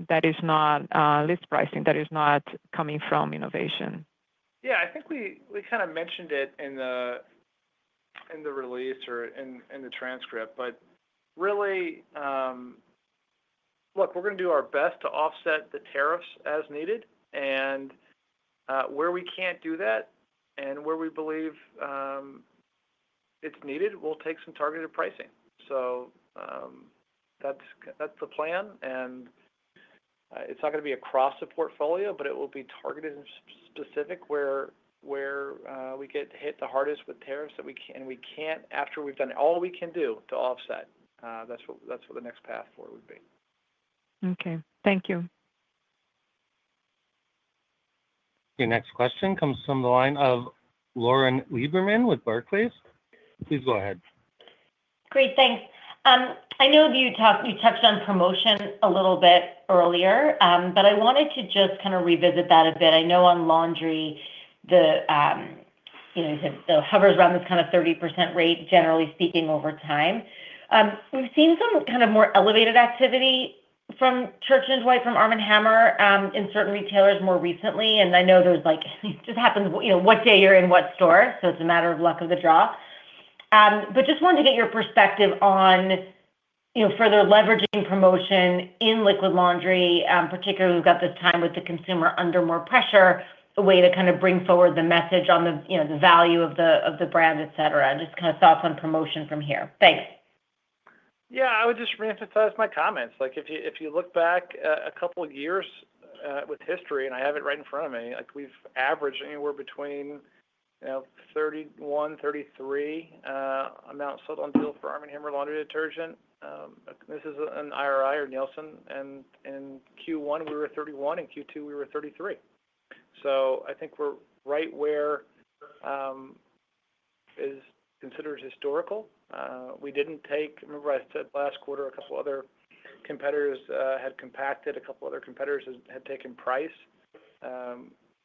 [SPEAKER 12] that is not list pricing that is not coming from innovation?
[SPEAKER 2] Yeah, I think we kind of mentioned it in the release or in the transcript. Really, look, we're going to do our best to offset the tariffs as needed. Where we can't do that and where we believe it's needed, we'll take some targeted pricing. That's the plan. It's not going to be across the portfolio, but it will be targeted and specific where we get hit the hardest with tariffs that we can't, after we've done all we can do to offset. That's what the next path forward would be.
[SPEAKER 13] Okay, thank you.
[SPEAKER 1] Your next question comes from the line of Lauren Lieberman with Barclays. Please go ahead.
[SPEAKER 14] Great, thanks. I know you touched on promotion a little bit earlier, but I wanted to just kind of revisit that a bit. I know on laundry, you know, it hovers around this kind of 30% rate, generally speaking, over time. We've seen some kind of more elevated activity from Church & Dwight, from ARM & HAMMER in certain retailers more recently. I know it just happens, you know, what day you're in what store. It's a matter of luck of the draw. I just wanted to get your perspective on further leveraging promotion in liquid laundry, particularly with the consumer under more pressure, as a way to bring forward the message on the value of the brand, etc. Just kind of thoughts on promotion from here. Thanks.
[SPEAKER 2] Yeah, I would just reemphasize my comments. If you look back a couple of years with history, and I have it right in front of me, we've averaged anywhere between 31, 33 amounts sold on deals for ARM & HAMMER laundry detergent. This is an IRI or Nielsen. In Q1, we were at 31, and Q2, we were at 33. I think we're right where is considered historical. We didn't take, remember I said last quarter a couple of other competitors had compacted, a couple of other competitors had taken price.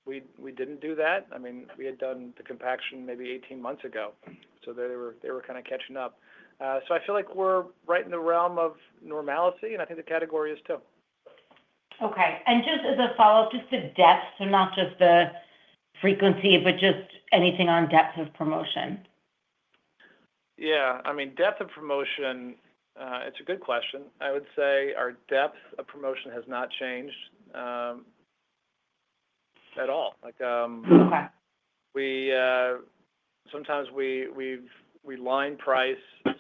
[SPEAKER 2] We didn't do that. We had done the compaction maybe 18 months ago. They were kind of catching up. I feel like we're right in the realm of normality. I think the category is too.
[SPEAKER 14] Okay. Just as a follow-up, the depth, so not just the frequency, but anything on depth of promotion.
[SPEAKER 2] Yeah. I mean, depth of promotion, it's a good question. I would say our depth of promotion has not changed at all. Sometimes we line price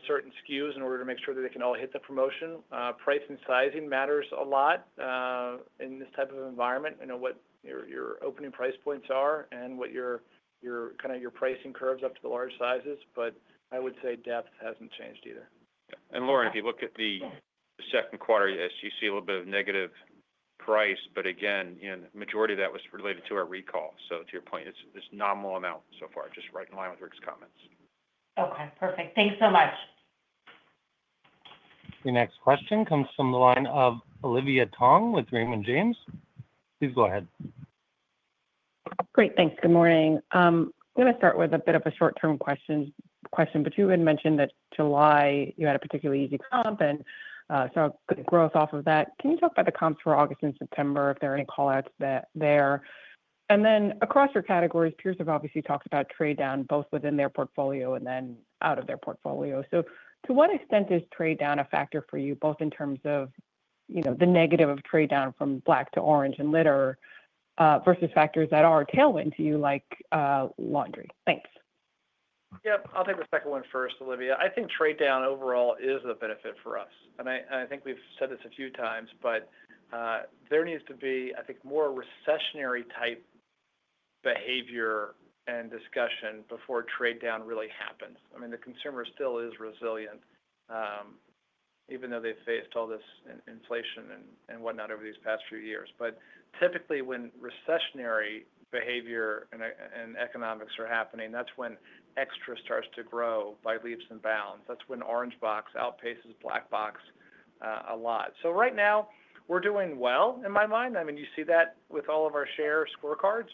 [SPEAKER 2] certain SKUs in order to make sure that they can all hit the promotion. Pricing sizing matters a lot in this type of environment. I know what your opening price points are and what your kind of your pricing curves up to the large sizes, but I would say depth hasn't changed either.
[SPEAKER 3] Lauren, if you look at the second quarter, yes, you see a little bit of negative price, but again, the majority of that was related to our recall. To your point, it's a nominal amount so far, just right in line with Rick's comments.
[SPEAKER 14] Okay. Perfect. Thanks so much.
[SPEAKER 1] Your next question comes from the line of Olivia Tong with Raymond James. Please go ahead.
[SPEAKER 15] Great, thanks. Good morning. I'm going to start with a bit of a short-term question, but you had mentioned that July you had a particularly easy comp and saw good growth off of that. Can you talk about the comps for August and September, if there are any callouts there? Across your categories, peers have obviously talked about trade down both within their portfolio and then out of their portfolio. To what extent is trade down a factor for you, both in terms of, you know, the negative of trade down from black to orange in litter versus factors that are tailwind to you like laundry? Thanks.
[SPEAKER 2] I'll take the second one first, Olivia. I think trade down overall is a benefit for us. I think we've said this a few times, but there needs to be, I think, more recessionary type behavior and discussion before trade down really happens. I mean, the consumer still is resilient, even though they've faced all this inflation and whatnot over these past few years. Typically, when recessionary behavior and economics are happening, that's when XTRA starts to grow by leaps and bounds. That's when Orange Box outpaces Black Box a lot. Right now, we're doing well in my mind. You see that with all of our share scorecards.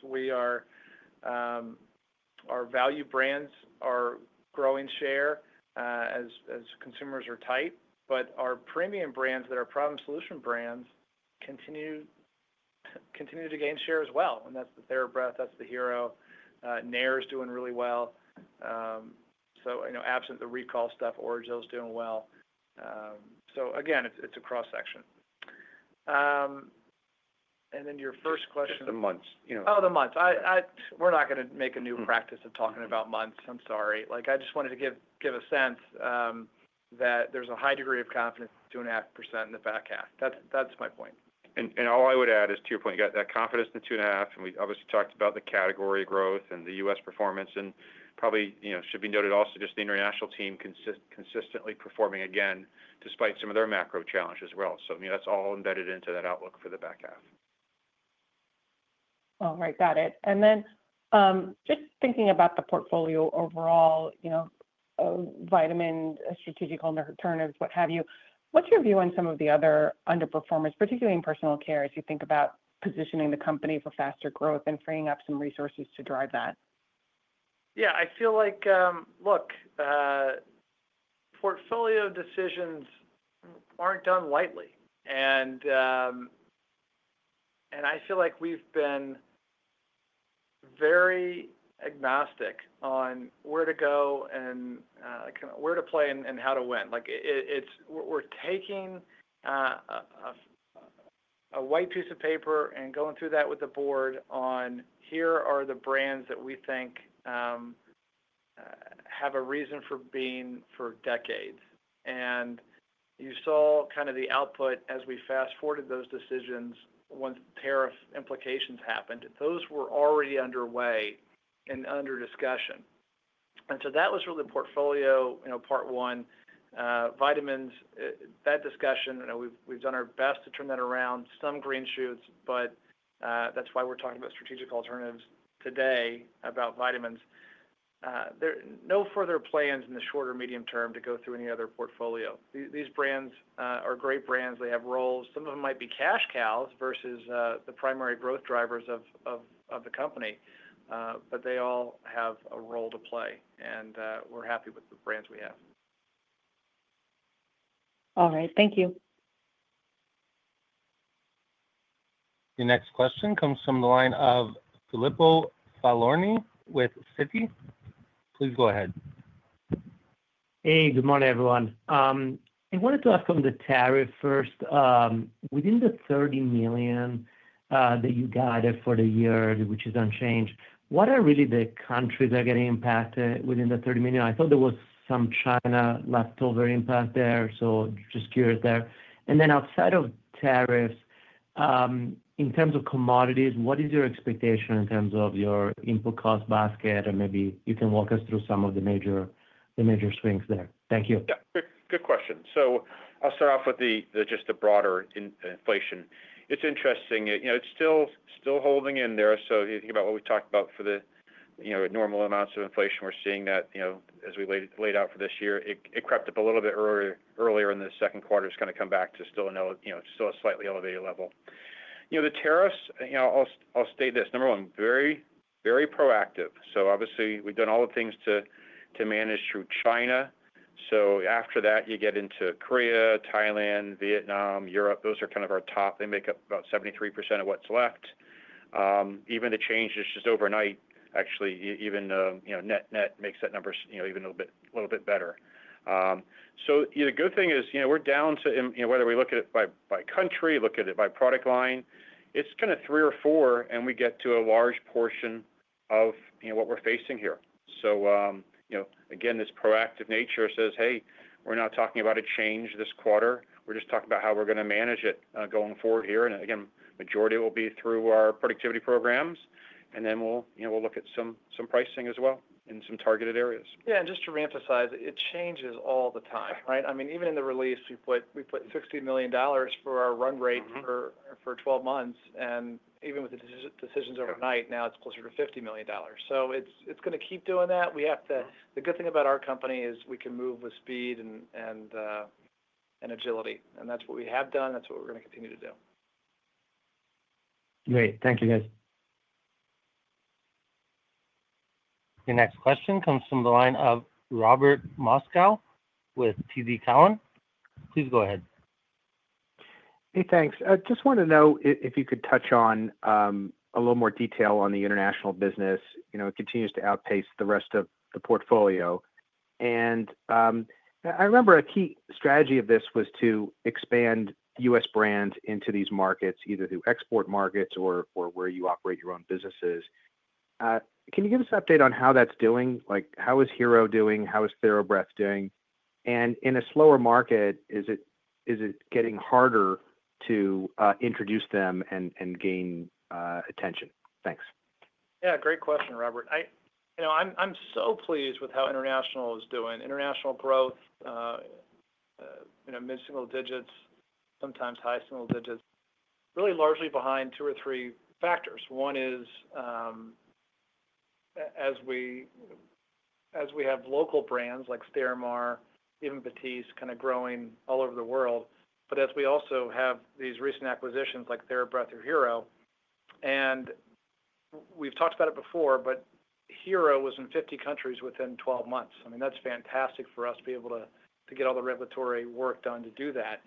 [SPEAKER 2] Our value brands are growing share as consumers are tight. Our premium brands that are problem solution brands continue to gain share as well. That's the TheraBreath, that's the HERO. Nair is doing really well. Absent the recall stuff, Orajel is doing well. Again, it's a cross-section. Then your first question.
[SPEAKER 3] The months.
[SPEAKER 2] Oh, the months. We're not going to make a new practice of talking about months. I'm sorry. I just wanted to give a sense that there's a high degree of confidence in 2.5% in the back half. That's my point.
[SPEAKER 3] All I would add is to your point, you got that confidence in the 2.5%, and we obviously talked about the category growth and the U.S. performance. It probably should be noted also just the international team consistently performing again despite some of their macro challenge as well. I mean, that's all embedded into that outlook for the back half.
[SPEAKER 15] All right. Got it. Just thinking about the portfolio overall, you know, vitamin strategical alternatives, what have you, what's your view on some of the other underperformers, particularly in personal care, as you think about positioning the company for faster growth and freeing up some resources to drive that?
[SPEAKER 2] Yeah, I feel like, look, portfolio decisions aren't done lightly. I feel like we've been very agnostic on where to go and kind of where to play and how to win. It's like we're taking a white piece of paper and going through that with the board on here are the brands that we think have a reason for being for decades. You saw the output as we fast-forwarded those decisions once tariff implications happened. Those were already underway and under discussion. That was really portfolio, you know, part one. Vitamins, that discussion, we've done our best to turn that around, some green shoots, but that's why we're talking about strategic alternatives today about vitamins. There are no further plans in the short or medium term to go through any other portfolio. These brands are great brands. They have roles. Some of them might be cash cows versus the primary growth drivers of the company, but they all have a role to play. We're happy with the brands we have.
[SPEAKER 15] All right, thank you.
[SPEAKER 1] Your next question comes from the line of Filippo Falorni with Citi. Please go ahead.
[SPEAKER 16] Hey, good morning, everyone. I wanted to ask on the tariff first. Within the $30 million that you guided for the year, which is unchanged, what are really the countries that are getting impacted within the $30 million? I thought there was some China leftover impact there, so just curious there. Outside of tariffs, in terms of commodities, what is your expectation in terms of your input cost basket? Maybe you can walk us through some of the major swings there. Thank you.
[SPEAKER 3] Yeah, good question. I'll start off with just the broader inflation. It's interesting. You know, it's still holding in there. If you think about what we talked about for the normal amounts of inflation, we're seeing that as we laid out for this year. It crept up a little bit earlier in the second quarter. It's kind of come back to still a slightly elevated level. The tariffs, I'll state this. Number one, very, very proactive. Obviously, we've done all the things to manage through China. After that, you get into Korea, Thailand, Vietnam, Europe. Those are kind of our top. They make up about 73% of what's left. Even the change is just overnight, actually, even net net makes that number even a little bit better. The good thing is, we're down to, whether we look at it by country or look at it by product line, it's kind of three or four, and we get to a large portion of what we're facing here. This proactive nature says, "Hey, we're not talking about a change this quarter. We're just talking about how we're going to manage it going forward here." The majority will be through our productivity programs. We'll look at some pricing as well in some targeted areas.
[SPEAKER 2] Yeah, just to reemphasize, it changes all the time, right? I mean, even in the release, we put $60 million for our run rate for 12 months. Even with the decisions overnight, now it's closer to $50 million. It's going to keep doing that. We have to. The good thing about our company is we can move with speed and agility. That's what we have done. That's what we're going to continue to do.
[SPEAKER 1] Great. Thank you, guys. Your next question comes from the line of Robert Bain Moskow with TD Cowen. Please go ahead.
[SPEAKER 17] Hey, thanks. I just want to know if you could touch on a little more detail on the international business. It continues to outpace the rest of the portfolio. I remember a key strategy of this was to expand U.S. brands into these markets, either through export markets or where you operate your own businesses. Can you give us an update on how that's doing? How is HERO doing? How is TheraBreath doing? In a slower market, is it getting harder to introduce them and gain attention? Thanks.
[SPEAKER 2] Yeah, great question, Robert. I'm so pleased with how international is doing. International growth, mid-single-digits, sometimes high single-digits, really largely behind two or three factors. One is as we have local brands like Stermar, even Batiste, kind of growing all over the world. As we also have these recent acquisitions like TheraBreath or HERO, and we've talked about it before, HERO was in 50 countries within 12 months. That's fantastic for us to be able to get all the regulatory work done to do that.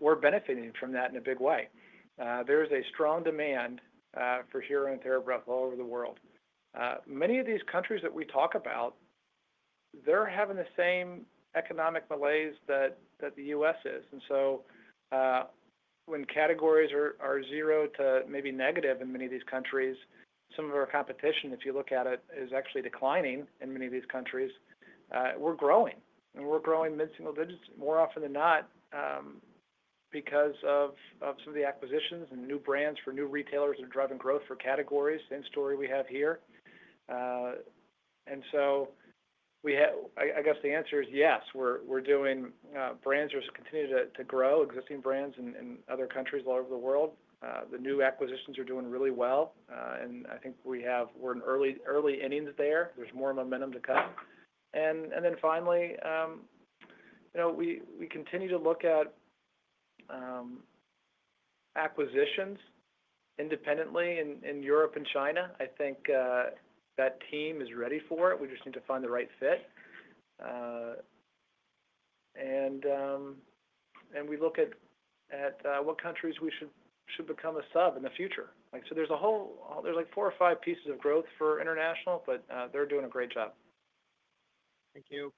[SPEAKER 2] We're benefiting from that in a big way. There's a strong demand for HERO and TheraBreath all over the world. Many of these countries that we talk about, they're having the same economic malaise that the U.S. is. When categories are zero to maybe negative in many of these countries, some of our competition, if you look at it, is actually declining in many of these countries. We're growing. We're growing mid-single-digits more often than not because of some of the acquisitions and new brands for new retailers that are driving growth for categories. Same story we have here. I guess the answer is yes. We're doing brands that continue to grow, existing brands in other countries all over the world. The new acquisitions are doing really well. I think we're in early innings there. There's more momentum to come. Finally, we continue to look at acquisitions independently in Europe and China. I think that team is ready for it. We just need to find the right fit. We look at what countries we should become a sub in the future. There's a whole, there's like four or five pieces of growth for international, but they're doing a great job.
[SPEAKER 1] Thank you.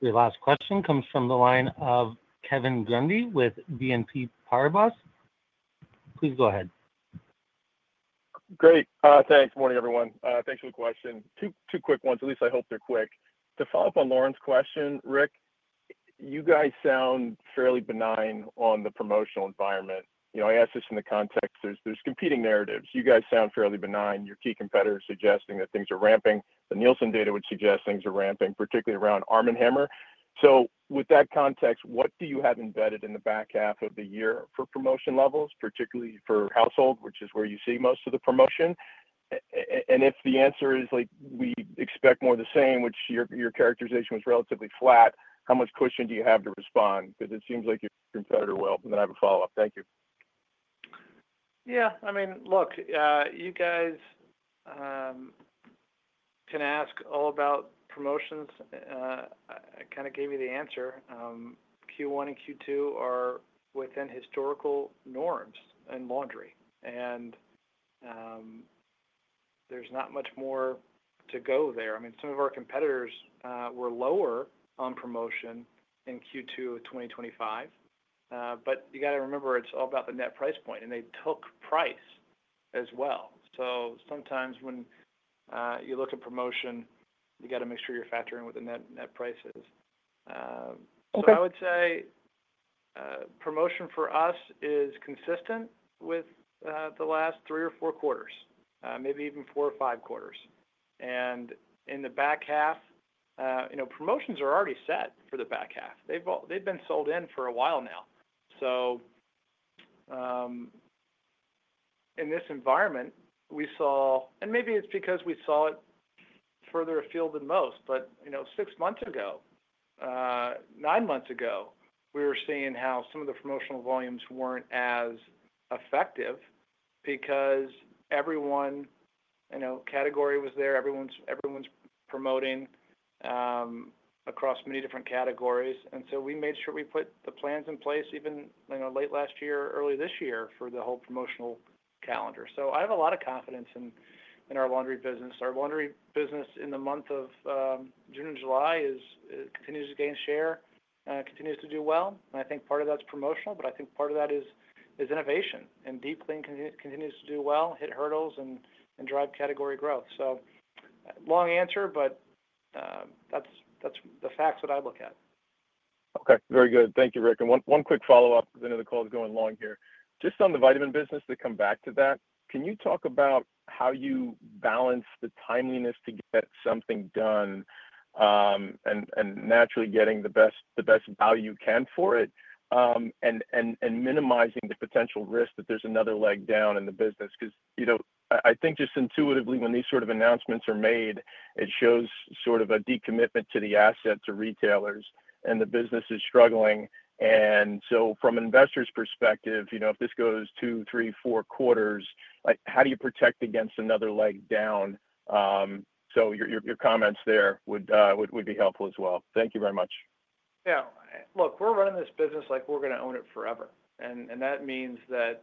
[SPEAKER 1] Your last question comes from the line of Kevin Grundy with BNP Paribas. Please go ahead.
[SPEAKER 11] Great. Thanks. Morning, everyone. Thanks for the question. Two quick ones, at least I hope they're quick. To follow up on Lauren's question, Rick, you guys sound fairly benign on the promotional environment. I ask this in the context, there's competing narratives. You guys sound fairly benign. Your key competitors are suggesting that things are ramping. The Nielsen data would suggest things are ramping, particularly around ARM & HAMMER. With that context, what do you have embedded in the back half of the year for promotion levels, particularly for household, which is where you see most of the promotion? If the answer is like we expect more of the same, which your characterization was relatively flat, how much cushion do you have to respond? It seems like your competitor will. I have a follow-up. Thank you.
[SPEAKER 2] Yeah. I mean, look, you guys can ask all about promotions. I kind of gave you the answer. Q1 and Q2 are within historical norms in laundry, and there's not much more to go there. Some of our competitors were lower on promotion in Q2 of 2025, but you got to remember, it's all about the net price point, and they took price as well. Sometimes when you look at promotion, you got to make sure you're factoring what the net net price is. I would say promotion for us is consistent with the last three or four quarters, maybe even four or five quarters. In the back half, promotions are already set for the back half. They've been sold in for a while now. In this environment, we saw, and maybe it's because we saw it further afield than most, but six months ago, nine months ago, we were seeing how some of the promotional volumes weren't as effective because everyone, category was there. Everyone's promoting across many different categories. We made sure we put the plans in place even late last year, early this year for the whole promotional calendar. I have a lot of confidence in our laundry business. Our laundry business in the month of June and July continues to gain share, continues to do well. I think part of that's promotional, but I think part of that is innovation. Deep clean continues to do well, hit hurdles, and drive category growth. Long answer, but that's the facts that I look at.
[SPEAKER 3] Okay. Very good. Thank you, Rick. One quick follow-up. The end of the call is going long here. Just on the vitamin business, to come back to that, can you talk about how you balance the timeliness to get something done and naturally getting the best value you can for it and minimizing the potential risk that there's another leg down in the business? Because, you know, I think just intuitively, when these sort of announcements are made, it shows sort of a decommitment to the asset, to retailers, and the business is struggling. From an investor's perspective, if this goes two, three, four quarters, how do you protect against another leg down? Your comments there would be helpful as well. Thank you very much.
[SPEAKER 2] Yeah. Look, we're running this business like we're going to own it forever. That means the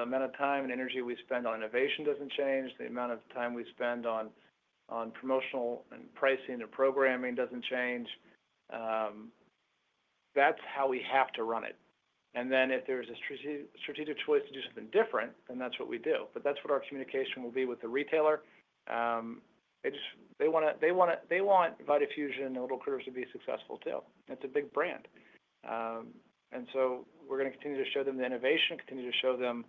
[SPEAKER 2] amount of time and energy we spend on innovation doesn't change. The amount of time we spend on promotional and pricing and programming doesn't change. That's how we have to run it. If there's a strategic choice to do something different, then that's what we do. That's what our communication will be with the retailer. They want Vitafusion and L’il Critters to be successful too. That's a big brand. We're going to continue to show them the innovation, continue to show them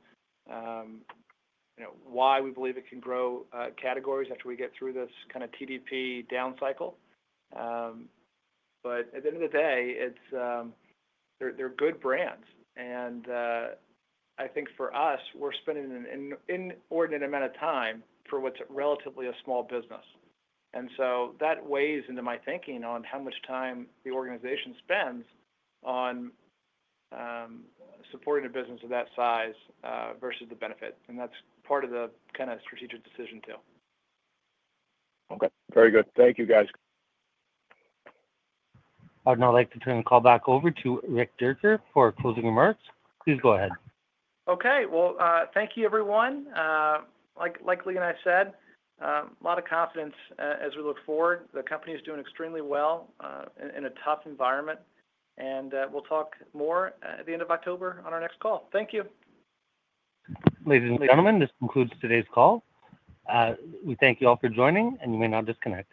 [SPEAKER 2] why we believe it can grow categories after we get through this kind of TDP down cycle. At the end of the day, they're good brands. I think for us, we're spending an inordinate amount of time for what's relatively a small business. That weighs into my thinking on how much time the organization spends on supporting a business of that size versus the benefit. That's part of the kind of strategic decision too.
[SPEAKER 3] Okay. Very good. Thank you, guys.
[SPEAKER 1] I'd now like to turn the call back over to Rick Dierker for closing remarks. Please go ahead.
[SPEAKER 2] Okay. Thank you, everyone. Like Lee and I said, a lot of cost as we look forward, the company is doing extremely well in a tough environment. We'll talk more at the end of October on our next call. Thank you.
[SPEAKER 1] Ladies and gentlemen, this concludes today's call. We thank you all for joining, and you may now disconnect.